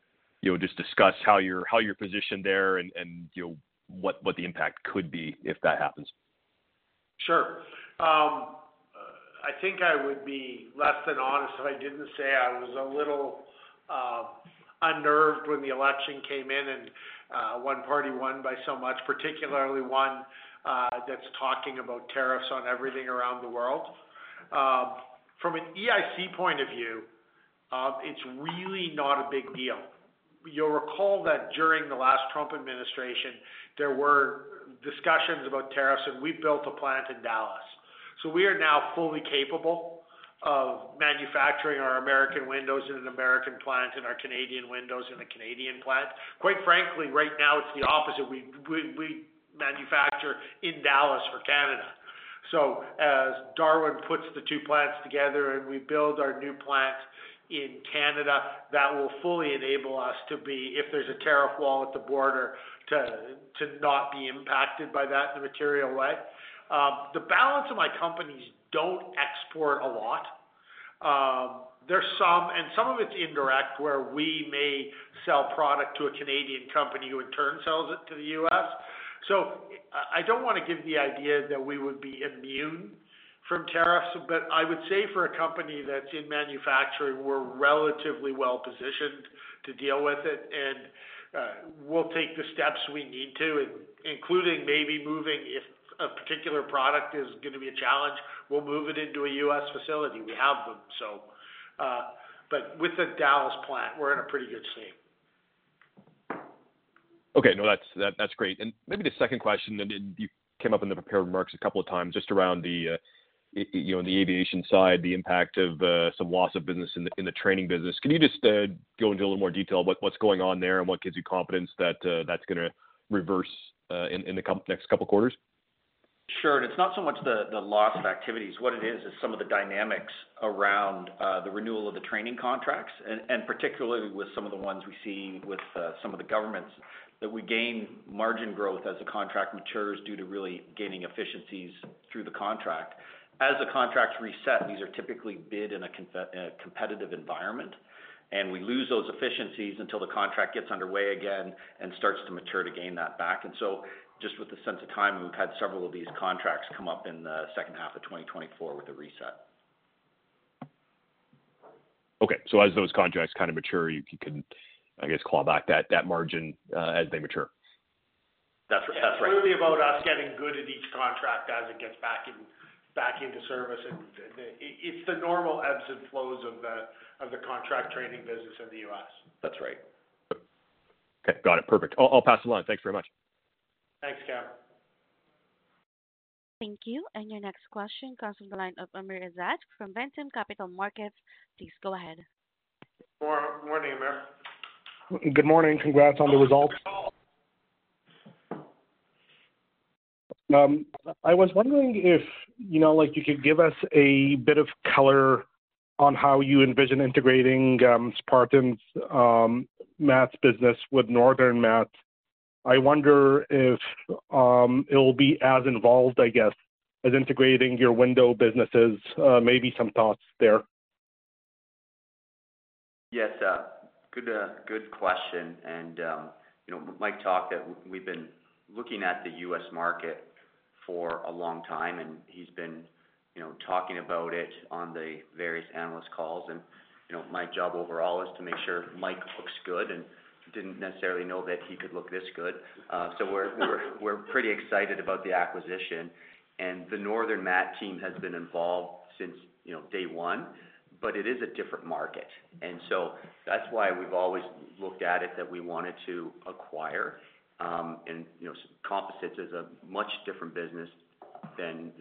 just discuss how you're positioned there and what the impact could be if that happens. Sure. I think I would be less than honest if I didn't say I was a little unnerved when the election came in and one party won by so much, particularly one that's talking about tariffs on everything around the world. From an EIC point of view, it's really not a big deal. You'll recall that during the last Trump administration, there were discussions about tariffs, and we built a plant in Dallas. So we are now fully capable of manufacturing our American windows in an American plant and our Canadian windows in a Canadian plant. Quite frankly, right now, it's the opposite. We manufacture in Dallas for Canada. So as Darwin puts the two plants together and we build our new plant in Canada, that will fully enable us to be, if there's a tariff wall at the border, to not be impacted by that in a material way. The balance of my companies don't export a lot. There's some, and some of it's indirect, where we may sell product to a Canadian company who in turn sells it to the U.S. So I don't want to give the idea that we would be immune from tariffs, but I would say for a company that's in manufacturing, we're relatively well positioned to deal with it, and we'll take the steps we need to, including maybe moving if a particular product is going to be a challenge, we'll move it into a U.S. facility. We have them, but with the Dallas plant, we're in a pretty good state. Okay. No, that's great. And maybe the second question, and you came up in the prepared remarks a couple of times just around the aviation side, the impact of some loss of business in the training business. Can you just go into a little more detail about what's going on there and what gives you confidence that that's going to reverse in the next couple of quarters? Sure. And it's not so much the loss of activities. What it is, is some of the dynamics around the renewal of the training contracts, and particularly with some of the ones we see with some of the governments, that we gain margin growth as the contract matures due to really gaining efficiencies through the contract. As the contracts reset, these are typically bid in a competitive environment, and we lose those efficiencies until the contract gets underway again and starts to mature to gain that back. And so just with the sense of time, we've had several of these contracts come up in the second half of 2024 with a reset. Okay. So as those contracts kind of mature, you can, I guess, claw back that margin as they mature. That's right. It's really about us getting good at each contract as it gets back into service. It's the normal ebbs and flows of the contract training business in the U.S. That's right. Okay. Got it. Perfect. I'll pass the line. Thanks very much. Thanks, Cam. Thank you. And your next question comes from the line of Amir Izadi from Ventum Financial. Please go ahead. Good morning, Amir. Good morning. Congrats on the results. I was wondering if you could give us a bit of color on how you envision integrating Spartan's mat business with Northern Mat. I wonder if it will be as involved, I guess, as integrating your window businesses. Maybe some thoughts there. Yes. Good question. And Mike talked that we've been looking at the US market for a long time, and he's been talking about it on the various analyst calls. And my job overall is to make sure Mike looks good and didn't necessarily know that he could look this good. So we're pretty excited about the acquisition. And the Northern Mat team has been involved since day one, but it is a different market. And so that's why we've always looked at it that we wanted to acquire. And Composites is a much different business than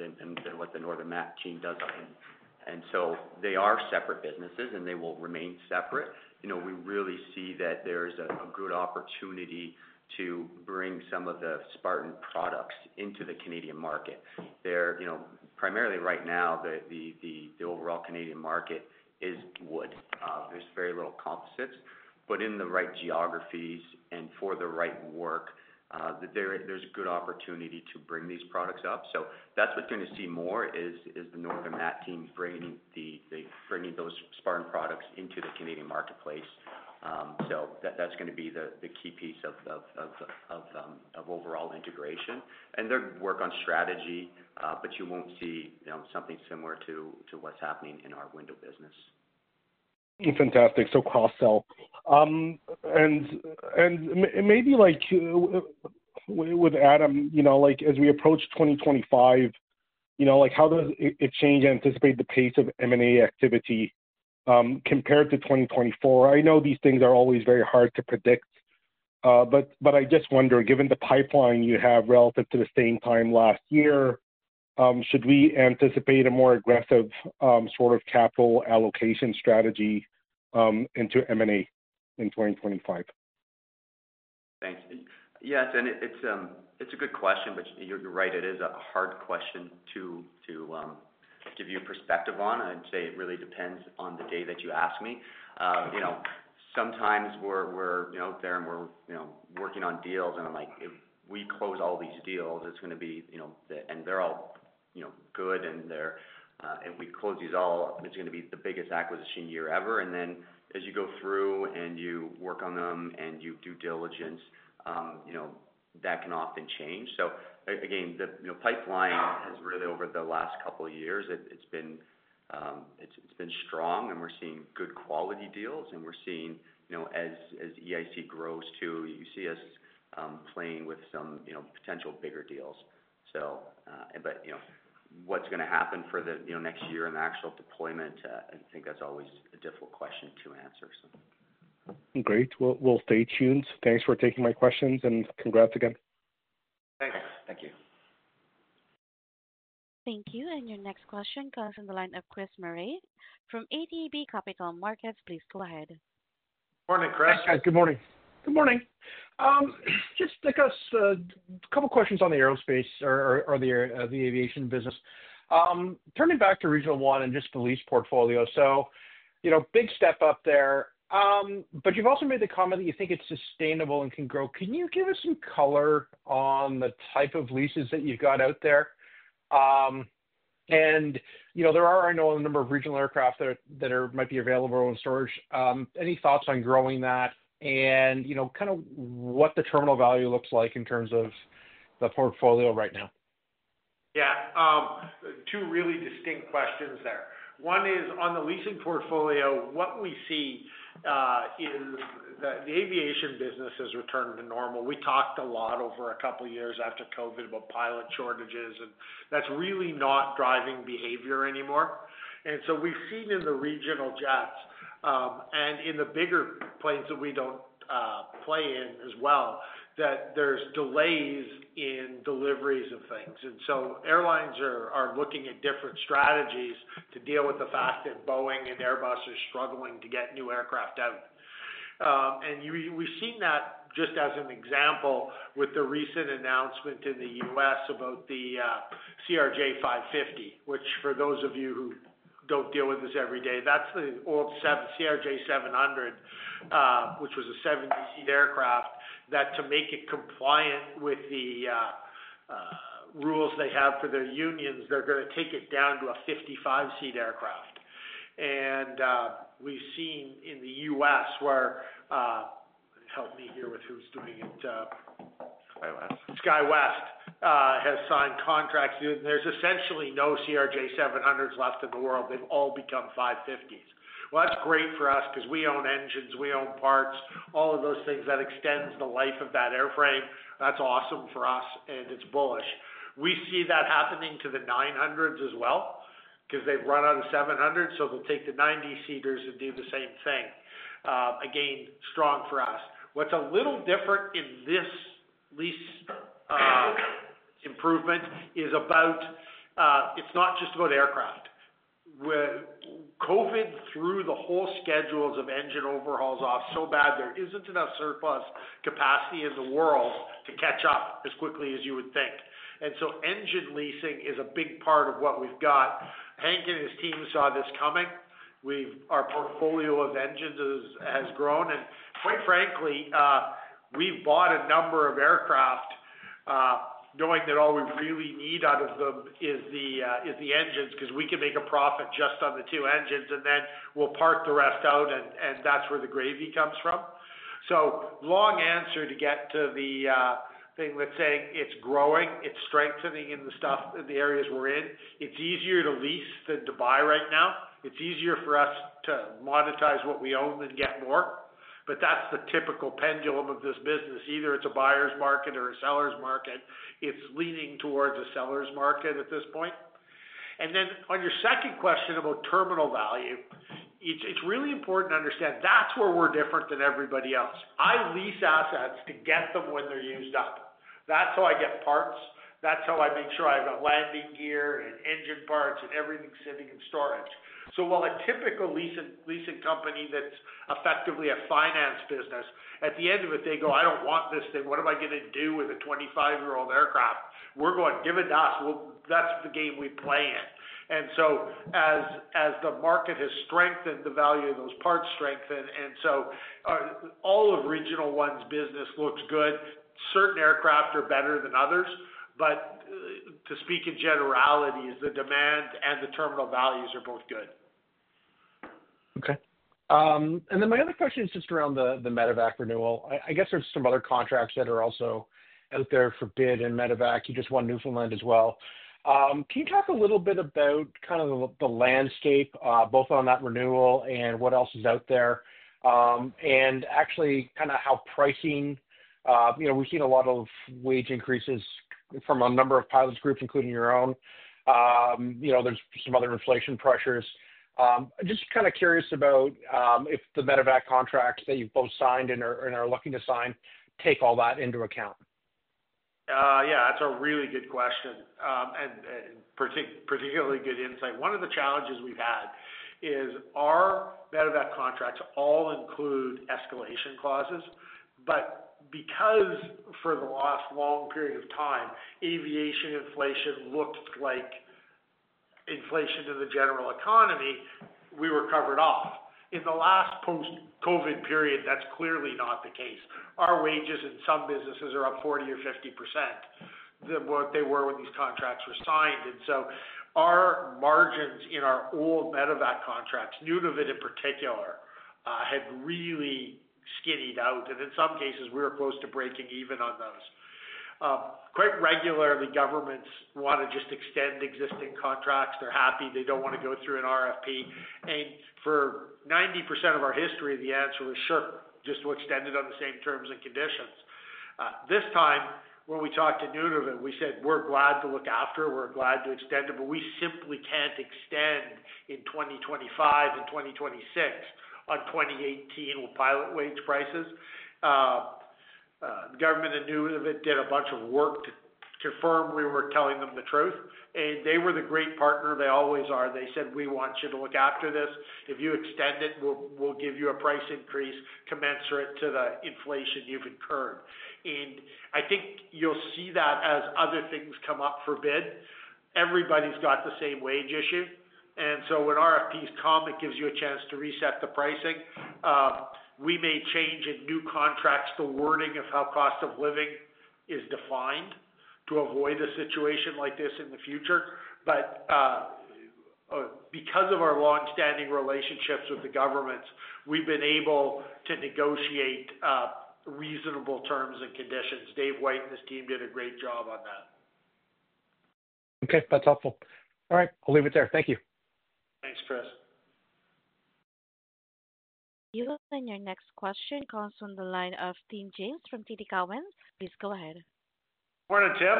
what the Northern Mat team does. And so they are separate businesses, and they will remain separate. We really see that there's a good opportunity to bring some of the Spartan products into the Canadian market. Primarily right now, the overall Canadian market is wood. There's very little composites, but in the right geographies and for the right work, there's good opportunity to bring these products up. So that's what's going to see more is the Northern Mat team bringing those Spartan products into the Canadian marketplace. So that's going to be the key piece of overall integration. They'll work on strategy, but you won't see something similar to what's happening in our window business. Fantastic. So, cross-sell, and maybe with Adam, as we approach 2025, how does it change and anticipate the pace of M&A activity compared to 2024? I know these things are always very hard to predict, but I just wonder, given the pipeline you have relative to the same time last year, should we anticipate a more aggressive sort of capital allocation strategy into M&A in 2025? Thanks. Yes. And it's a good question, but you're right. It is a hard question to give you perspective on. I'd say it really depends on the day that you ask me. Sometimes we're out there and we're working on deals, and I'm like, "If we close all these deals, it's going to be the end. They're all good, and if we close these all, it's going to be the biggest acquisition year ever." And then as you go through and you work on them and you do diligence, that can often change. So again, the pipeline has really, over the last couple of years, it's been strong, and we're seeing good quality deals. And we're seeing, as EIC grows too, you see us playing with some potential bigger deals. But what's going to happen for the next year and the actual deployment? I think that's always a difficult question to answer, so. Great. Well, we'll stay tuned. Thanks for taking my questions, and congrats again. Thanks. Thank you. Thank you. And your next question comes from the line of Chris Murray. From ATB Capital Markets, please go ahead. Morning, Chris. Hi. Good morning. Good morning. Just a couple of questions on the aerospace or the aviation business. Turning back to Regional One and just the lease portfolio. So big step up there, but you've also made the comment that you think it's sustainable and can grow. Can you give us some color on the type of leases that you've got out there? And there are, I know, a number of regional aircraft that might be available in storage. Any thoughts on growing that and kind of what the terminal value looks like in terms of the portfolio right now? Yeah. Two really distinct questions there. One is, on the leasing portfolio, what we see is that the aviation business has returned to normal. We talked a lot over a couple of years after COVID about pilot shortages, and that's really not driving behavior anymore. And so we've seen in the regional jets and in the bigger planes that we don't play in as well that there's delays in deliveries of things. And so airlines are looking at different strategies to deal with the fact that Boeing and Airbus are struggling to get new aircraft out. We've seen that just as an example with the recent announcement in the U.S. about the CRJ550, which for those of you who don't deal with this every day, that's the old CRJ700, which was a 70-seat aircraft, that to make it compliant with the rules they have for their unions, they're going to take it down to a 55-seat aircraft. We've seen in the U.S. where, help me here with who's doing it. SkyWest. SkyWest has signed contracts. There's essentially no CRJ700s left in the world. They've all become CRJ550s. Well, that's great for us because we own engines, we own parts, all of those things that extend the life of that airframe. That's awesome for us, and it's bullish. We see that happening to the CRJ900s as well because they've run out of CRJ700s, so they'll take the 90-seaters and do the same thing. Again, strong for us. What's a little different in this lease improvement is about it's not just about aircraft. COVID threw the whole schedules of engine overhauls off so bad. There isn't enough surplus capacity in the world to catch up as quickly as you would think. And so engine leasing is a big part of what we've got. Hank and his team saw this coming. Our portfolio of engines has grown. And quite frankly, we've bought a number of aircraft knowing that all we really need out of them is the engines because we can make a profit just on the two engines, and then we'll park the rest out, and that's where the gravy comes from. So long answer to get to the thing, let's say it's growing, it's strengthening in the stuff, the areas we're in. It's easier to lease than to buy right now. It's easier for us to monetize what we own than get more. But that's the typical pendulum of this business. Either it's a buyer's market or a seller's market. It's leaning towards a seller's market at this point. And then on your second question about terminal value, it's really important to understand that's where we're different than everybody else. I lease assets to get them when they're used up. That's how I get parts. That's how I make sure I've got landing gear and engine parts and everything sitting in storage. So while a typical leasing company that's effectively a finance business, at the end of it, they go, "I don't want this thing. What am I going to do with a 25-year-old aircraft? We're going to give it to us." Well, that's the game we play in. And so as the market has strengthened, the value of those parts strengthened. And so all of Regional One's business looks good. Certain aircraft are better than others. But to speak in generalities, the demand and the terminal values are both good. Okay. And then my other question is just around the Medevac renewal. I guess there's some other contracts that are also out there for bid and Medevac. You just won Newfoundland as well. Can you talk a little bit about kind of the landscape, both on that renewal and what else is out there, and actually kind of how pricing we've seen a lot of wage increases from a number of pilot groups, including your own. There's some other inflation pressures. Just kind of curious about if the Medevac contracts that you've both signed and are looking to sign take all that into account. Yeah. That's a really good question and particularly good insight. One of the challenges we've had is our Medevac contracts all include escalation clauses, but because for the last long period of time, aviation inflation looked like inflation in the general economy, we were covered off. In the last post-COVID period, that's clearly not the case. Our wages in some businesses are up 40% or 50% than what they were when these contracts were signed, and so our margins in our old Medevac contracts, Nunavut in particular, had really skidded out. In some cases, we were close to breaking even on those. Quite regularly, governments want to just extend existing contracts. They're happy. They don't want to go through an RFP. And for 90% of our history, the answer was, "Sure. Just we'll extend it on the same terms and conditions." This time, when we talked to Nunavut, we said, "We're glad to look after. We're glad to extend it, but we simply can't extend in 2025 and 2026 on 2018 with pilot wage prices." The government in Nunavut did a bunch of work to confirm we were telling them the truth. And they were the great partner. They always are. They said, "We want you to look after this. If you extend it, we'll give you a price increase commensurate to the inflation you've incurred." And I think you'll see that as other things come up for bid. Everybody's got the same wage issue. And so when RFPs come, it gives you a chance to reset the pricing. We may change in new contracts the wording of how cost of living is defined to avoid a situation like this in the future. But because of our long-standing relationships with the governments, we've been able to negotiate reasonable terms and conditions. Dave White and his team did a great job on that. Okay. That's helpful. All right. I'll leave it there. Thank you. Thanks, Chris. You have your next question. It comes from the line of Tim James from TD Cowen. Please go ahead. Morning, Tim.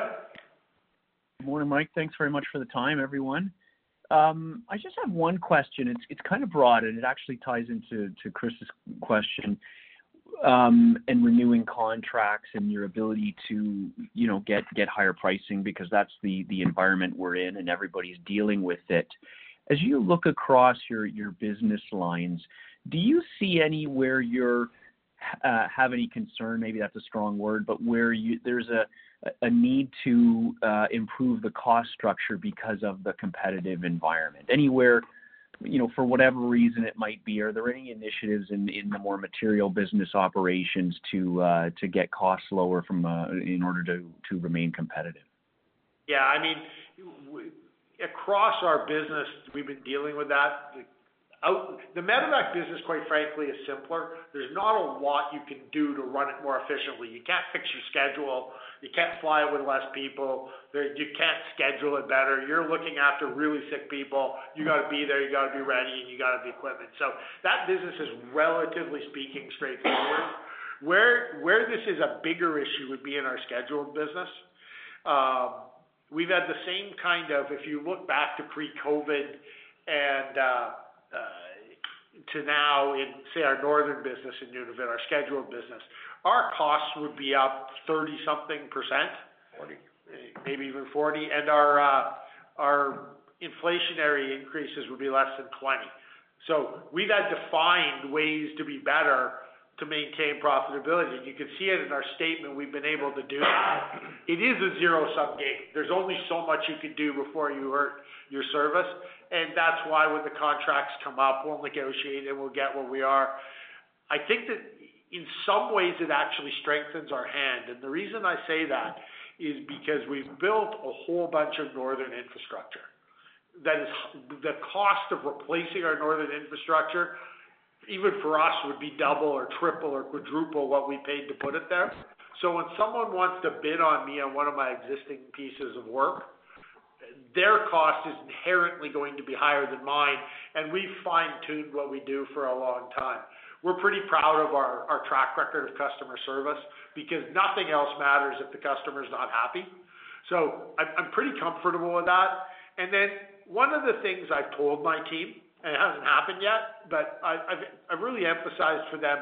Morning, Mike. Thanks very much for the time, everyone. I just have one question. It's kind of broad, and it actually ties into Chris's question and renewing contracts and your ability to get higher pricing because that's the environment we're in, and everybody's dealing with it. As you look across your business lines, do you see anywhere you have any concern? Maybe that's a strong word, but where there's a need to improve the cost structure because of the competitive environment? Anywhere, for whatever reason it might be, are there any initiatives in the more material business operations to get costs lower in order to remain competitive? Yeah. I mean, across our business, we've been dealing with that. The Medevac business, quite frankly, is simpler. There's not a lot you can do to run it more efficiently. You can't fix your schedule. You can't fly it with less people. You can't schedule it better. You're looking after really sick people. You got to be there. You got to be ready, and you got to have the equipment. So that business is, relatively speaking, straightforward. Where this is a bigger issue would be in our scheduled business. We've had the same kind of, if you look back to pre-COVID and to now in, say, our northern business in Nunavut, our scheduled business, our costs would be up 30-something%. 40. Maybe even 40, and our inflationary increases would be less than 20, so we've had defined ways to be better to maintain profitability, and you can see it in our statement. We've been able to do that. It is a zero-sum game. There's only so much you can do before you hurt your service, and that's why when the contracts come up, we'll negotiate and we'll get where we are. I think that in some ways, it actually strengthens our hand, and the reason I say that is because we've built a whole bunch of northern infrastructure. The cost of replacing our northern infrastructure, even for us, would be double or triple or quadruple what we paid to put it there, so when someone wants to bid on my one of my existing pieces of work, their cost is inherently going to be higher than mine. And we've fine-tuned what we do for a long time. We're pretty proud of our track record of customer service because nothing else matters if the customer's not happy. So I'm pretty comfortable with that. And then one of the things I've told my team, and it hasn't happened yet, but I've really emphasized for them,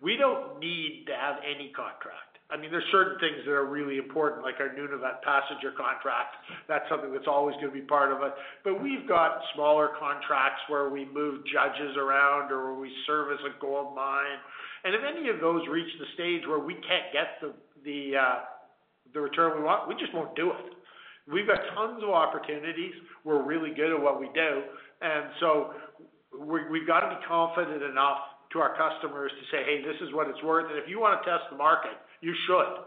we don't need to have any contract. I mean, there's certain things that are really important, like our Nunavut passenger contract. That's something that's always going to be part of us. But we've got smaller contracts where we move judges around or where we service a gold mine. And if any of those reach the stage where we can't get the return we want, we just won't do it. We've got tons of opportunities. We're really good at what we do. And so we've got to be confident enough to our customers to say, "Hey, this is what it's worth. And if you want to test the market, you should.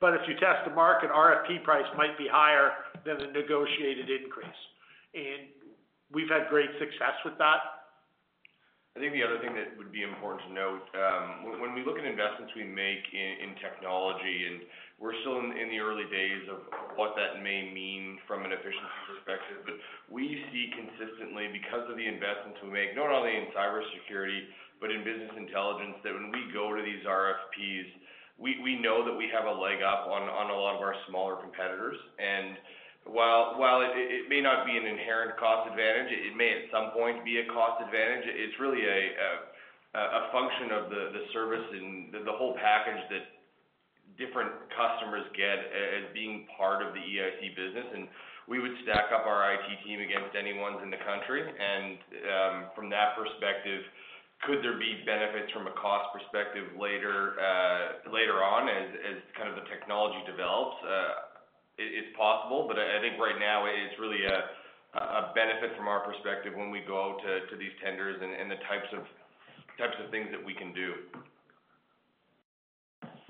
But if you test the market, RFP price might be higher than the negotiated increase." And we've had great success with that. I think the other thing that would be important to note, when we look at investments we make in technology, and we're still in the early days of what that may mean from an efficiency perspective, but we see consistently, because of the investments we make, not only in cybersecurity but in business intelligence, that when we go to these RFPs, we know that we have a leg up on a lot of our smaller competitors. And while it may not be an inherent cost advantage, it may at some point be a cost advantage. It's really a function of the service and the whole package that different customers get as being part of the EIC business. And we would stack up our IT team against anyone's in the country. And from that perspective, could there be benefits from a cost perspective later on as kind of the technology develops? It's possible. But I think right now, it's really a benefit from our perspective when we go to these tenders and the types of things that we can do.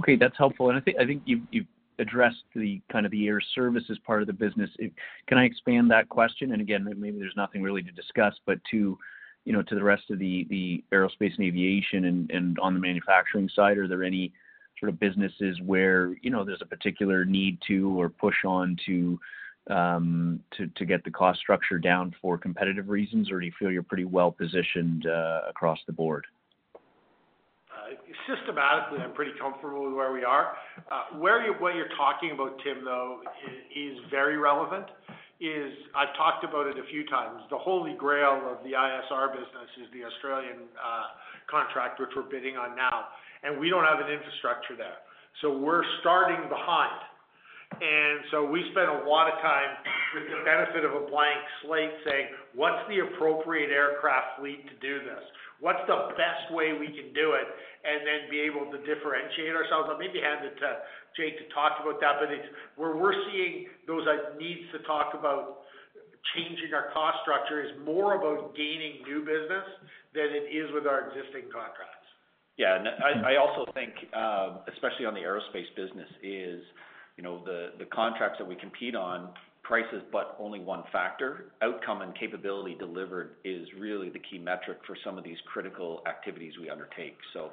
Okay. That's helpful, and I think you've addressed kind of the air service as part of the business. Can I expand that question, and again, maybe there's nothing really to discuss, but to the rest of the aerospace and aviation and on the manufacturing side, are there any sort of businesses where there's a particular need to or push on to get the cost structure down for competitive reasons, or do you feel you're pretty well positioned across the board? Systematically, I'm pretty comfortable with where we are. What you're talking about, Tim, though, is very relevant. I've talked about it a few times. The holy grail of the ISR business is the Australian contract, which we're bidding on now, and we don't have an infrastructure there. So we're starting behind, and so we spent a lot of time with the benefit of a blank slate saying, "What's the appropriate aircraft fleet to do this? What's the best way we can do it?" And then be able to differentiate ourselves. I may be handed to Jake to talk about that, but where we're seeing those needs to talk about changing our cost structure is more about gaining new business than it is with our existing contracts. Yeah, and I also think, especially on the aerospace business, is the contracts that we compete on, price is but only one factor. Outcome and capability delivered is really the key metric for some of these critical activities we undertake, so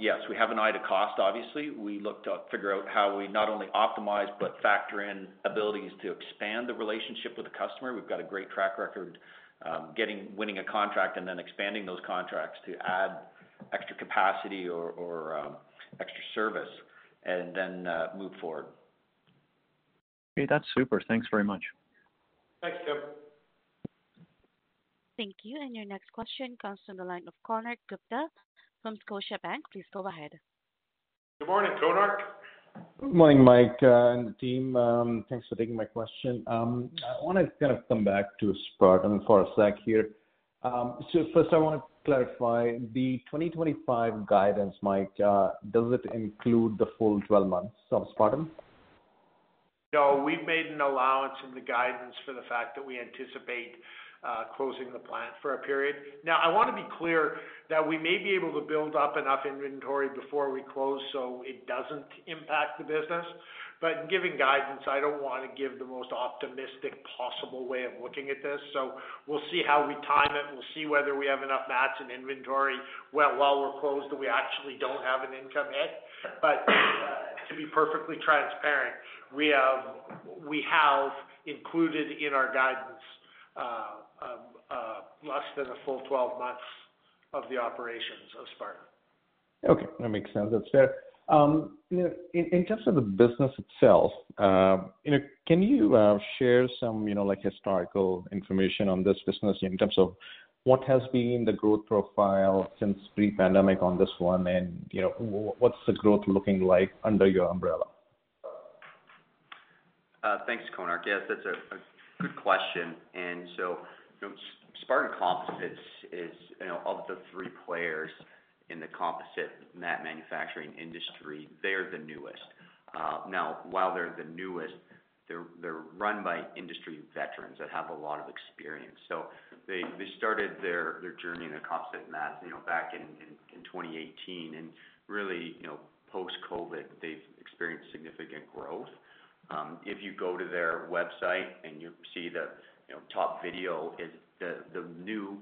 yes, we have an eye to cost, obviously. We look to figure out how we not only optimize but factor in abilities to expand the relationship with the customer. We've got a great track record winning a contract and then expanding those contracts to add extra capacity or extra service and then move forward. Okay. That's super. Thanks very much. Thanks, Tim. Thank you. Your next question comes from the line of Konark Gupta from Scotiabank. Please go ahead. Good morning, Konark. Good morning, Mike and the team. Thanks for taking my question. I want to kind of come back to Spartan for a sec here. So first, I want to clarify the 2025 guidance, Mike. Does it include the full 12 months of Spartan? No. We've made an allowance in the guidance for the fact that we anticipate closing the plant for a period. Now, I want to be clear that we may be able to build up enough inventory before we close so it doesn't impact the business. But in giving guidance, I don't want to give the most optimistic possible way of looking at this. So we'll see how we time it. We'll see whether we have enough mats in inventory while we're closed that we actually don't have an income hit. But to be perfectly transparent, we have included in our guidance less than the full 12 months of the operations of Spartan. Okay. That makes sense. That's fair. In terms of the business itself, can you share some historical information on this business in terms of what has been the growth profile since pre-pandemic on this one and what's the growth looking like under your umbrella? Thanks Konark. Yes, that's a good question. And so Spartan Composites is one of the three players in the composite mat manufacturing industry. They're the newest. Now, while they're the newest, they're run by industry veterans that have a lot of experience. So, they started their journey in the composite mats back in 2018. And really, post-COVID, they've experienced significant growth. If you go to their website and you see the top video, it's the new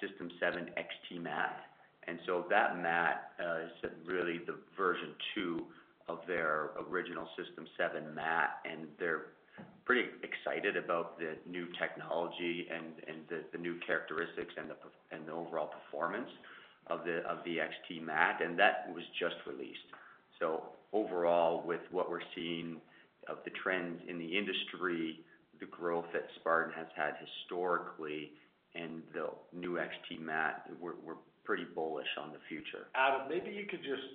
System 7 XT mat. And so that mat is really the version two of their original System 7 mat. And they're pretty excited about the new technology and the new characteristics and the overall performance of the XT mat. And that was just released. So overall, with what we're seeing of the trends in the industry, the growth that Spartan has had historically and the new XT mat, we're pretty bullish on the future. Adam, maybe you could just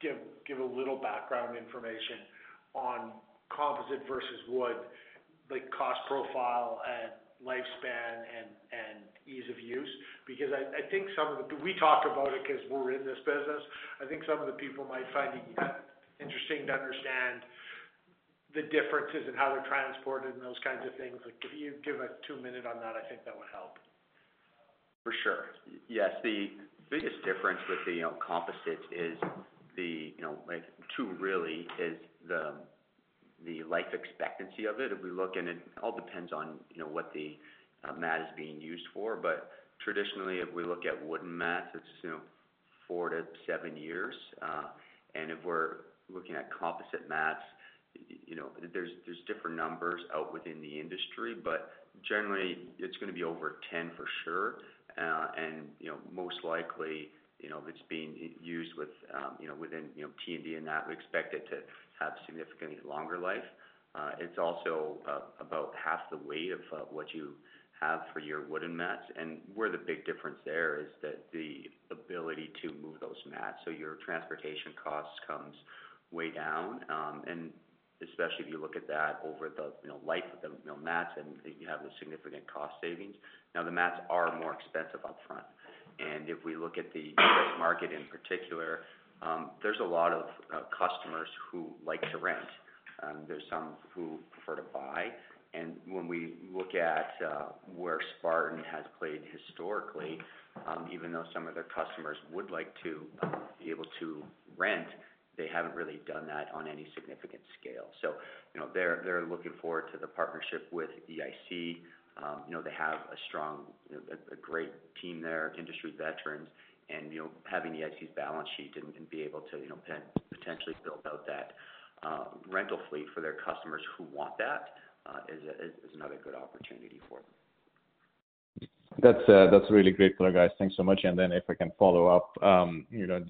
give a little background information on composite versus wood, the cost profile and lifespan and ease of use? Because I think some of the, we talk about it because we're in this business. I think some of the people might find it interesting to understand the differences in how they're transported and those kinds of things. If you give us two minutes on that, I think that would help. For sure. Yes. The biggest difference with the composite is the two really is the life expectancy of it. If we look at it, it all depends on what the mat is being used for, but traditionally, if we look at wooden mats, it's four to seven years, and if we're looking at composite mats, there's different numbers out within the industry. But generally, it's going to be over 10 for sure, and most likely, if it's being used within T&D and that, we expect it to have significantly longer life. It's also about half the weight of what you have for your wooden mats, and where the big difference there is that the ability to move those mats, so your transportation cost comes way down, and especially if you look at that over the life of the mats, then you have a significant cost savings. Now, the mats are more expensive upfront, and if we look at the U.S. market in particular, there's a lot of customers who like to rent. There's some who prefer to buy. And when we look at where Spartan has played historically, even though some of their customers would like to be able to rent, they haven't really done that on any significant scale, so they're looking forward to the partnership with EIC. They have a great team there, industry veterans, and having EIC's balance sheet and be able to potentially build out that rental fleet for their customers who want that is another good opportunity for them. That's really great for our guys. Thanks so much. And then if I can follow up,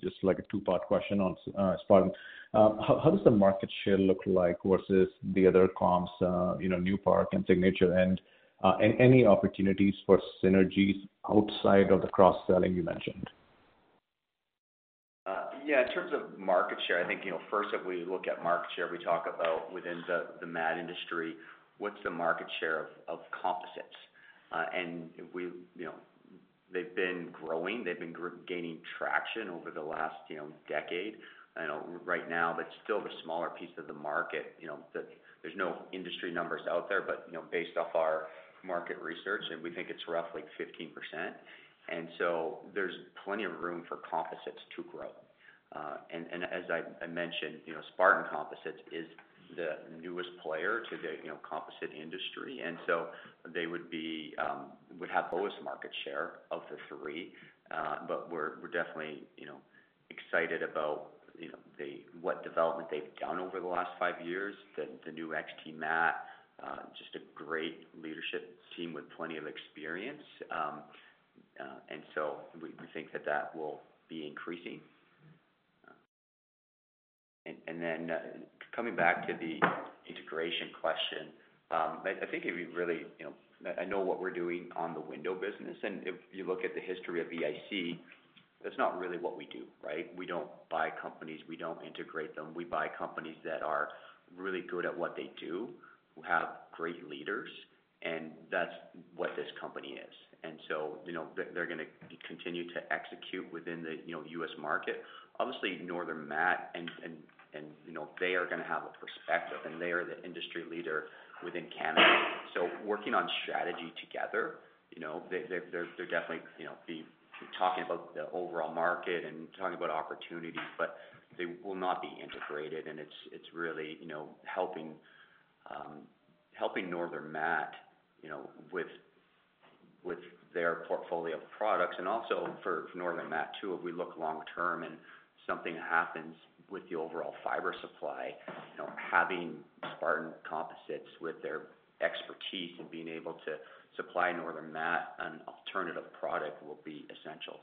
just like a two-part question on Spartan. How does the market share look like versus the other comps, Newpark and Signature, and any opportunities for synergies outside of the cross-selling you mentioned? Yeah. In terms of market share, I think first, if we look at market share, we talk about within the mat industry, what's the market share of composites, and they've been growing. They've been gaining traction over the last decade. Right now, that's still the smaller piece of the market. There's no industry numbers out there, but based off our market research, we think it's roughly 15%, and so there's plenty of room for composites to grow, and as I mentioned, Spartan Composites is the newest player to the composite industry, and so they would have the lowest market share of the three, but we're definitely excited about what development they've done over the last five years, the new XT mat, just a great leadership team with plenty of experience, and so we think that that will be increasing. And then coming back to the integration question, I think it'd be really, I know what we're doing on the window business. And if you look at the history of EIC, that's not really what we do, right? We don't buy companies. We don't integrate them. We buy companies that are really good at what they do, who have great leaders. And that's what this company is. And so they're going to continue to execute within the US market. Obviously, Northern Mat and they are going to have a perspective. And they are the industry leader within Canada. So working on strategy together, they're definitely talking about the overall market and talking about opportunities, but they will not be integrated. And it's really helping Northern Mat with their portfolio of products. Also for Northern Mat too, if we look long term and something happens with the overall fiber supply, having Spartan Composites with their expertise and being able to supply Northern Mat an alternative product will be essential.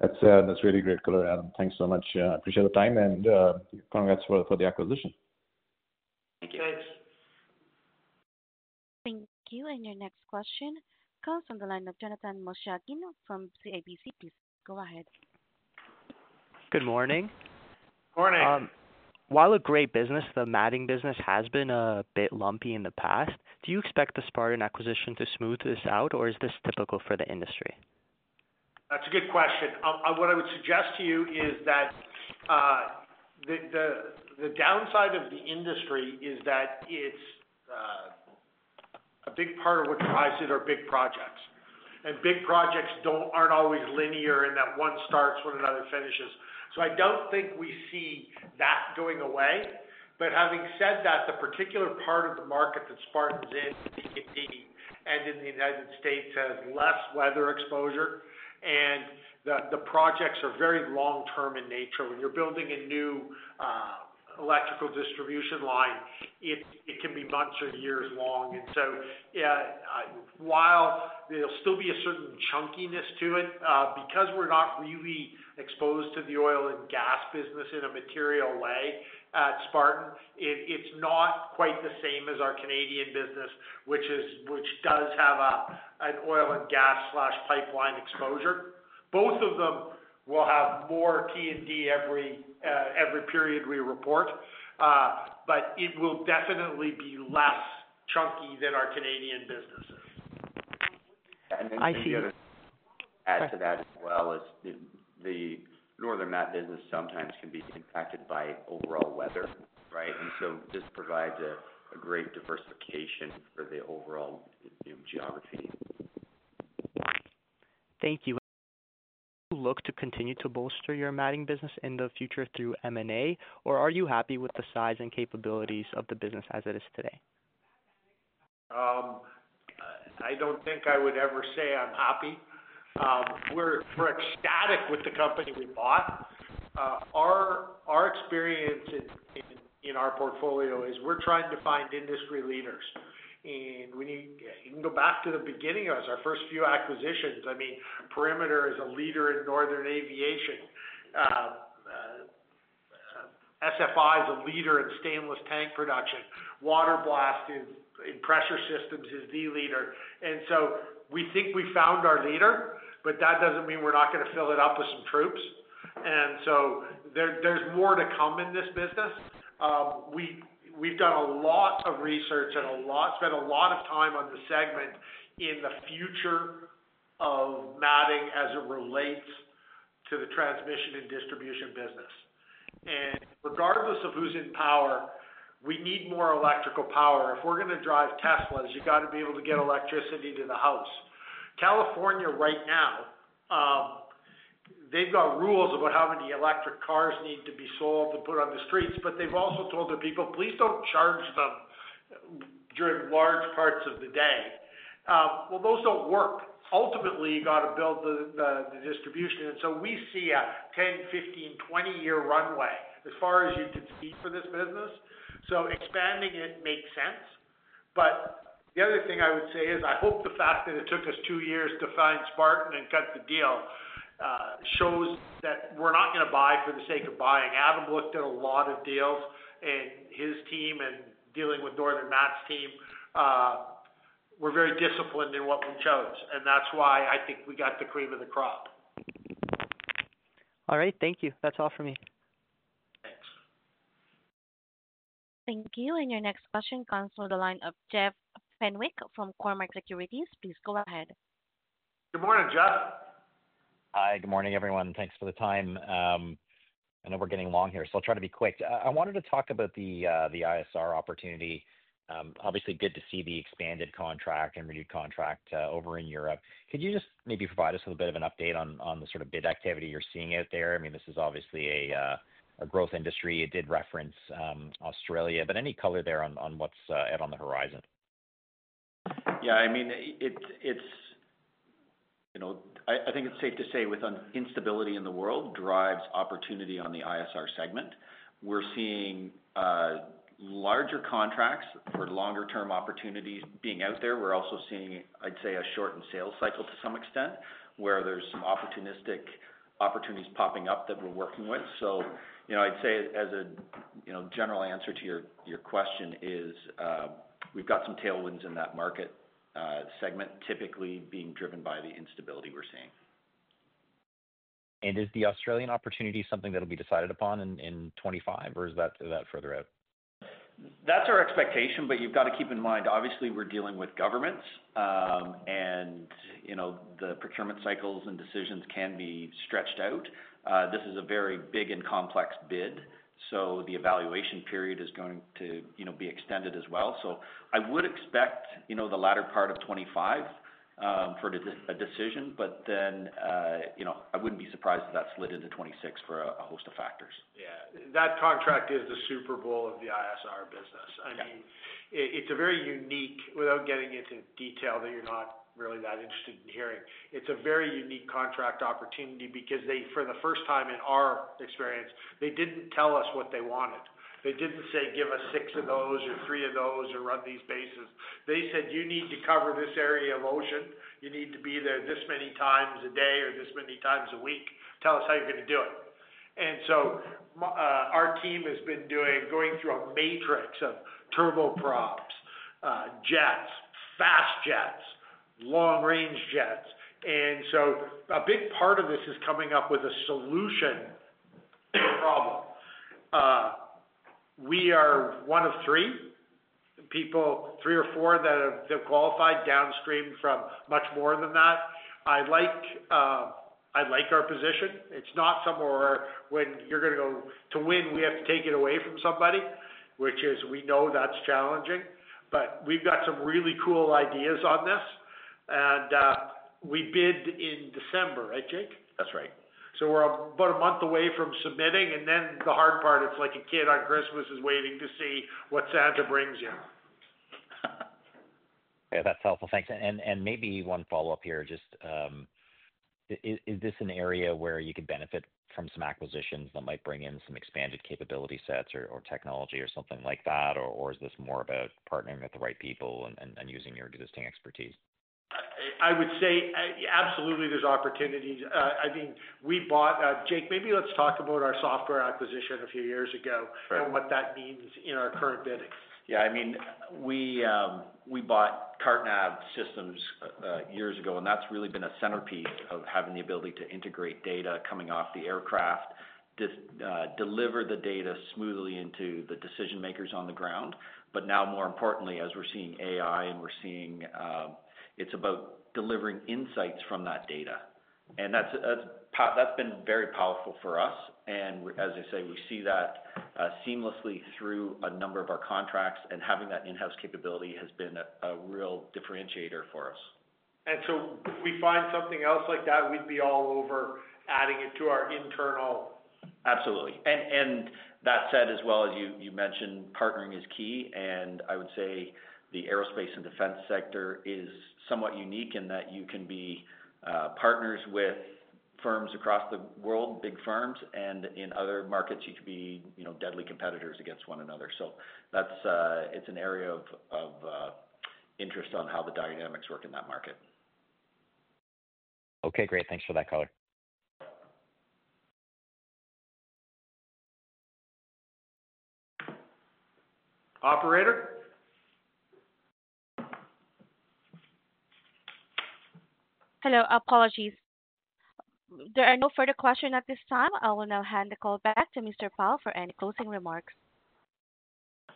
That's really great clarity, Adam. Thanks so much. I appreciate the time and congrats for the acquisition. Thank you. Thanks. Thank you. And your next question comes from the line of Jonathan Moshayedi from CIBC. Please go ahead. Good morning. Good morning. While a great business, the matting business has been a bit lumpy in the past. Do you expect the Spartan acquisition to smooth this out, or is this typical for the industry? That's a good question. What I would suggest to you is that the downside of the industry is that it's a big part of what drives it are big projects, and big projects aren't always linear in that one starts, one another finishes, so I don't think we see that going away, but having said that, the particular part of the market that Spartan's in, and in the United States, has less weather exposure, and the projects are very long-term in nature. When you're building a new electrical distribution line, it can be months or years long, and so while there'll still be a certain chunkiness to it, because we're not really exposed to the oil and gas business in a material way at Spartan, it's not quite the same as our Canadian business, which does have an oil and gas/pipeline exposure. Both of them will have more T&D every period we report, but it will definitely be less chunky than our Canadian businesses. And then to add to that as well is the Northern Mat business sometimes can be impacted by overall weather, right? And so this provides a great diversification for the overall geography. Thank you. Do you look to continue to bolster your matting business in the future through M&A, or are you happy with the size and capabilities of the business as it is today? I don't think I would ever say I'm happy. We're ecstatic with the company we bought. Our experience in our portfolio is we're trying to find industry leaders, and we need—you can go back to the beginning of our first few acquisitions. I mean, Perimeter is a leader in Northern Aviation. SFI is a leader in stainless tank production. Waterblast in pressure systems is the leader, and so we think we found our leader, but that doesn't mean we're not going to fill it up with some troops, and so there's more to come in this business. We've done a lot of research and spent a lot of time on the segment in the future of matting as it relates to the transmission and distribution business, and regardless of who's in power, we need more electrical power. If we're going to drive Teslas, you've got to be able to get electricity to the house. California right now, they've got rules about how many electric cars need to be sold and put on the streets, but they've also told their people, "Please don't charge them during large parts of the day," well, those don't work. Ultimately, you've got to build the distribution, and so we see a 10, 15, 20-year runway as far as you can see for this business, so expanding it makes sense, but the other thing I would say is I hope the fact that it took us two years to find Spartan and cut the deal shows that we're not going to buy for the sake of buying. Adam looked at a lot of deals, and his team and dealing with Northern Mat's team were very disciplined in what we chose. That's why I think we got the cream of the crop. All right. Thank you. That's all for me. Thanks. Thank you. And your next question comes from the line of Jeff Fenwick from Cormark Securities. Please go ahead. Good morning, Jeff. Hi. Good morning, everyone. Thanks for the time. I know we're getting long here, so I'll try to be quick. I wanted to talk about the ISR opportunity. Obviously, good to see the expanded contract and renewed contract over in Europe. Could you just maybe provide us with a bit of an update on the sort of bid activity you're seeing out there? I mean, this is obviously a growth industry. It did reference Australia, but any color there on what's out on the horizon? Yeah. I mean, I think it's safe to say with instability in the world drives opportunity on the ISR segment. We're seeing larger contracts for longer-term opportunities being out there. We're also seeing, I'd say, a shortened sales cycle to some extent where there's some opportunistic opportunities popping up that we're working with. So I'd say as a general answer to your question is we've got some tailwinds in that market segment typically being driven by the instability we're seeing. Is the Australian opportunity something that'll be decided upon in 2025, or is that further out? That's our expectation, but you've got to keep in mind, obviously, we're dealing with governments, and the procurement cycles and decisions can be stretched out. This is a very big and complex bid, so the evaluation period is going to be extended as well, so I would expect the latter part of 2025 for a decision, but then I wouldn't be surprised if that slid into 2026 for a host of factors. Yeah. That contract is the Super Bowl of the ISR business. I mean, it's a very unique (without getting into detail that you're not really that interested in hearing) it's a very unique contract opportunity because for the first time in our experience, they didn't tell us what they wanted. They didn't say, "Give us six of those or three of those or run these bases." They said, "You need to cover this area of ocean. You need to be there this many times a day or this many times a week. Tell us how you're going to do it." And so our team has been going through a matrix of turboprops, jets, fast jets, long-range jets. And so, a big part of this is coming up with a solution to a problem. We are one of three people, three or four that have qualified downstream from much more than that. I like our position. It's not somewhere where when you're going to go to win, we have to take it away from somebody, which is we know that's challenging, but we've got some really cool ideas on this, and we bid in December, right, Jake? That's right. So we're about a month away from submitting. And then the hard part, it's like a kid on Christmas is waiting to see what Santa brings you. Yeah. That's helpful. Thanks. And maybe one follow-up here. Just is this an area where you could benefit from some acquisitions that might bring in some expanded capability sets or technology or something like that? Or is this more about partnering with the right people and using your existing expertise? I would say absolutely there's opportunities. I mean, we bought, Jake, maybe let's talk about our software acquisition a few years ago and what that means in our current bidding. Yeah. I mean, we bought CartNav Systems years ago, and that's really been a centerpiece of having the ability to integrate data coming off the aircraft, deliver the data smoothly into the decision-makers on the ground. But now, more importantly, as we're seeing AI and we're seeing it's about delivering insights from that data. And that's been very powerful for us. And as I say, we see that seamlessly through a number of our contracts. And having that in-house capability has been a real differentiator for us. If we find something else like that, we'd be all over adding it to our internal. Absolutely. And that said, as well as you mentioned, partnering is key. And I would say the aerospace and defense sector is somewhat unique in that you can be partners with firms across the world, big firms. And in other markets, you could be deadly competitors against one another. So it's an area of interest on how the dynamics work in that market. Okay. Great. Thanks for that, Colin. Operator? Hello. Apologies. There are no further questions at this time. I will now hand the call back to Mr. Pyle for any closing remarks.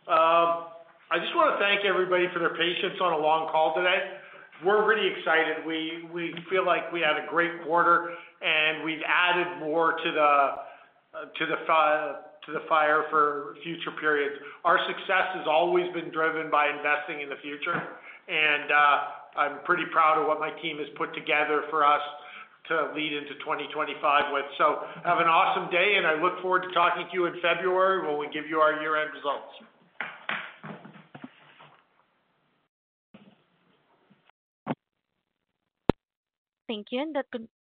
I just want to thank everybody for their patience on a long call today. We're really excited. We feel like we had a great quarter, and we've added more to the fire for future periods. Our success has always been driven by investing in the future, and I'm pretty proud of what my team has put together for us to lead into 2025 with, so have an awesome day, and I look forward to talking to you in February when we give you our year-end results. Thank you, and that's good.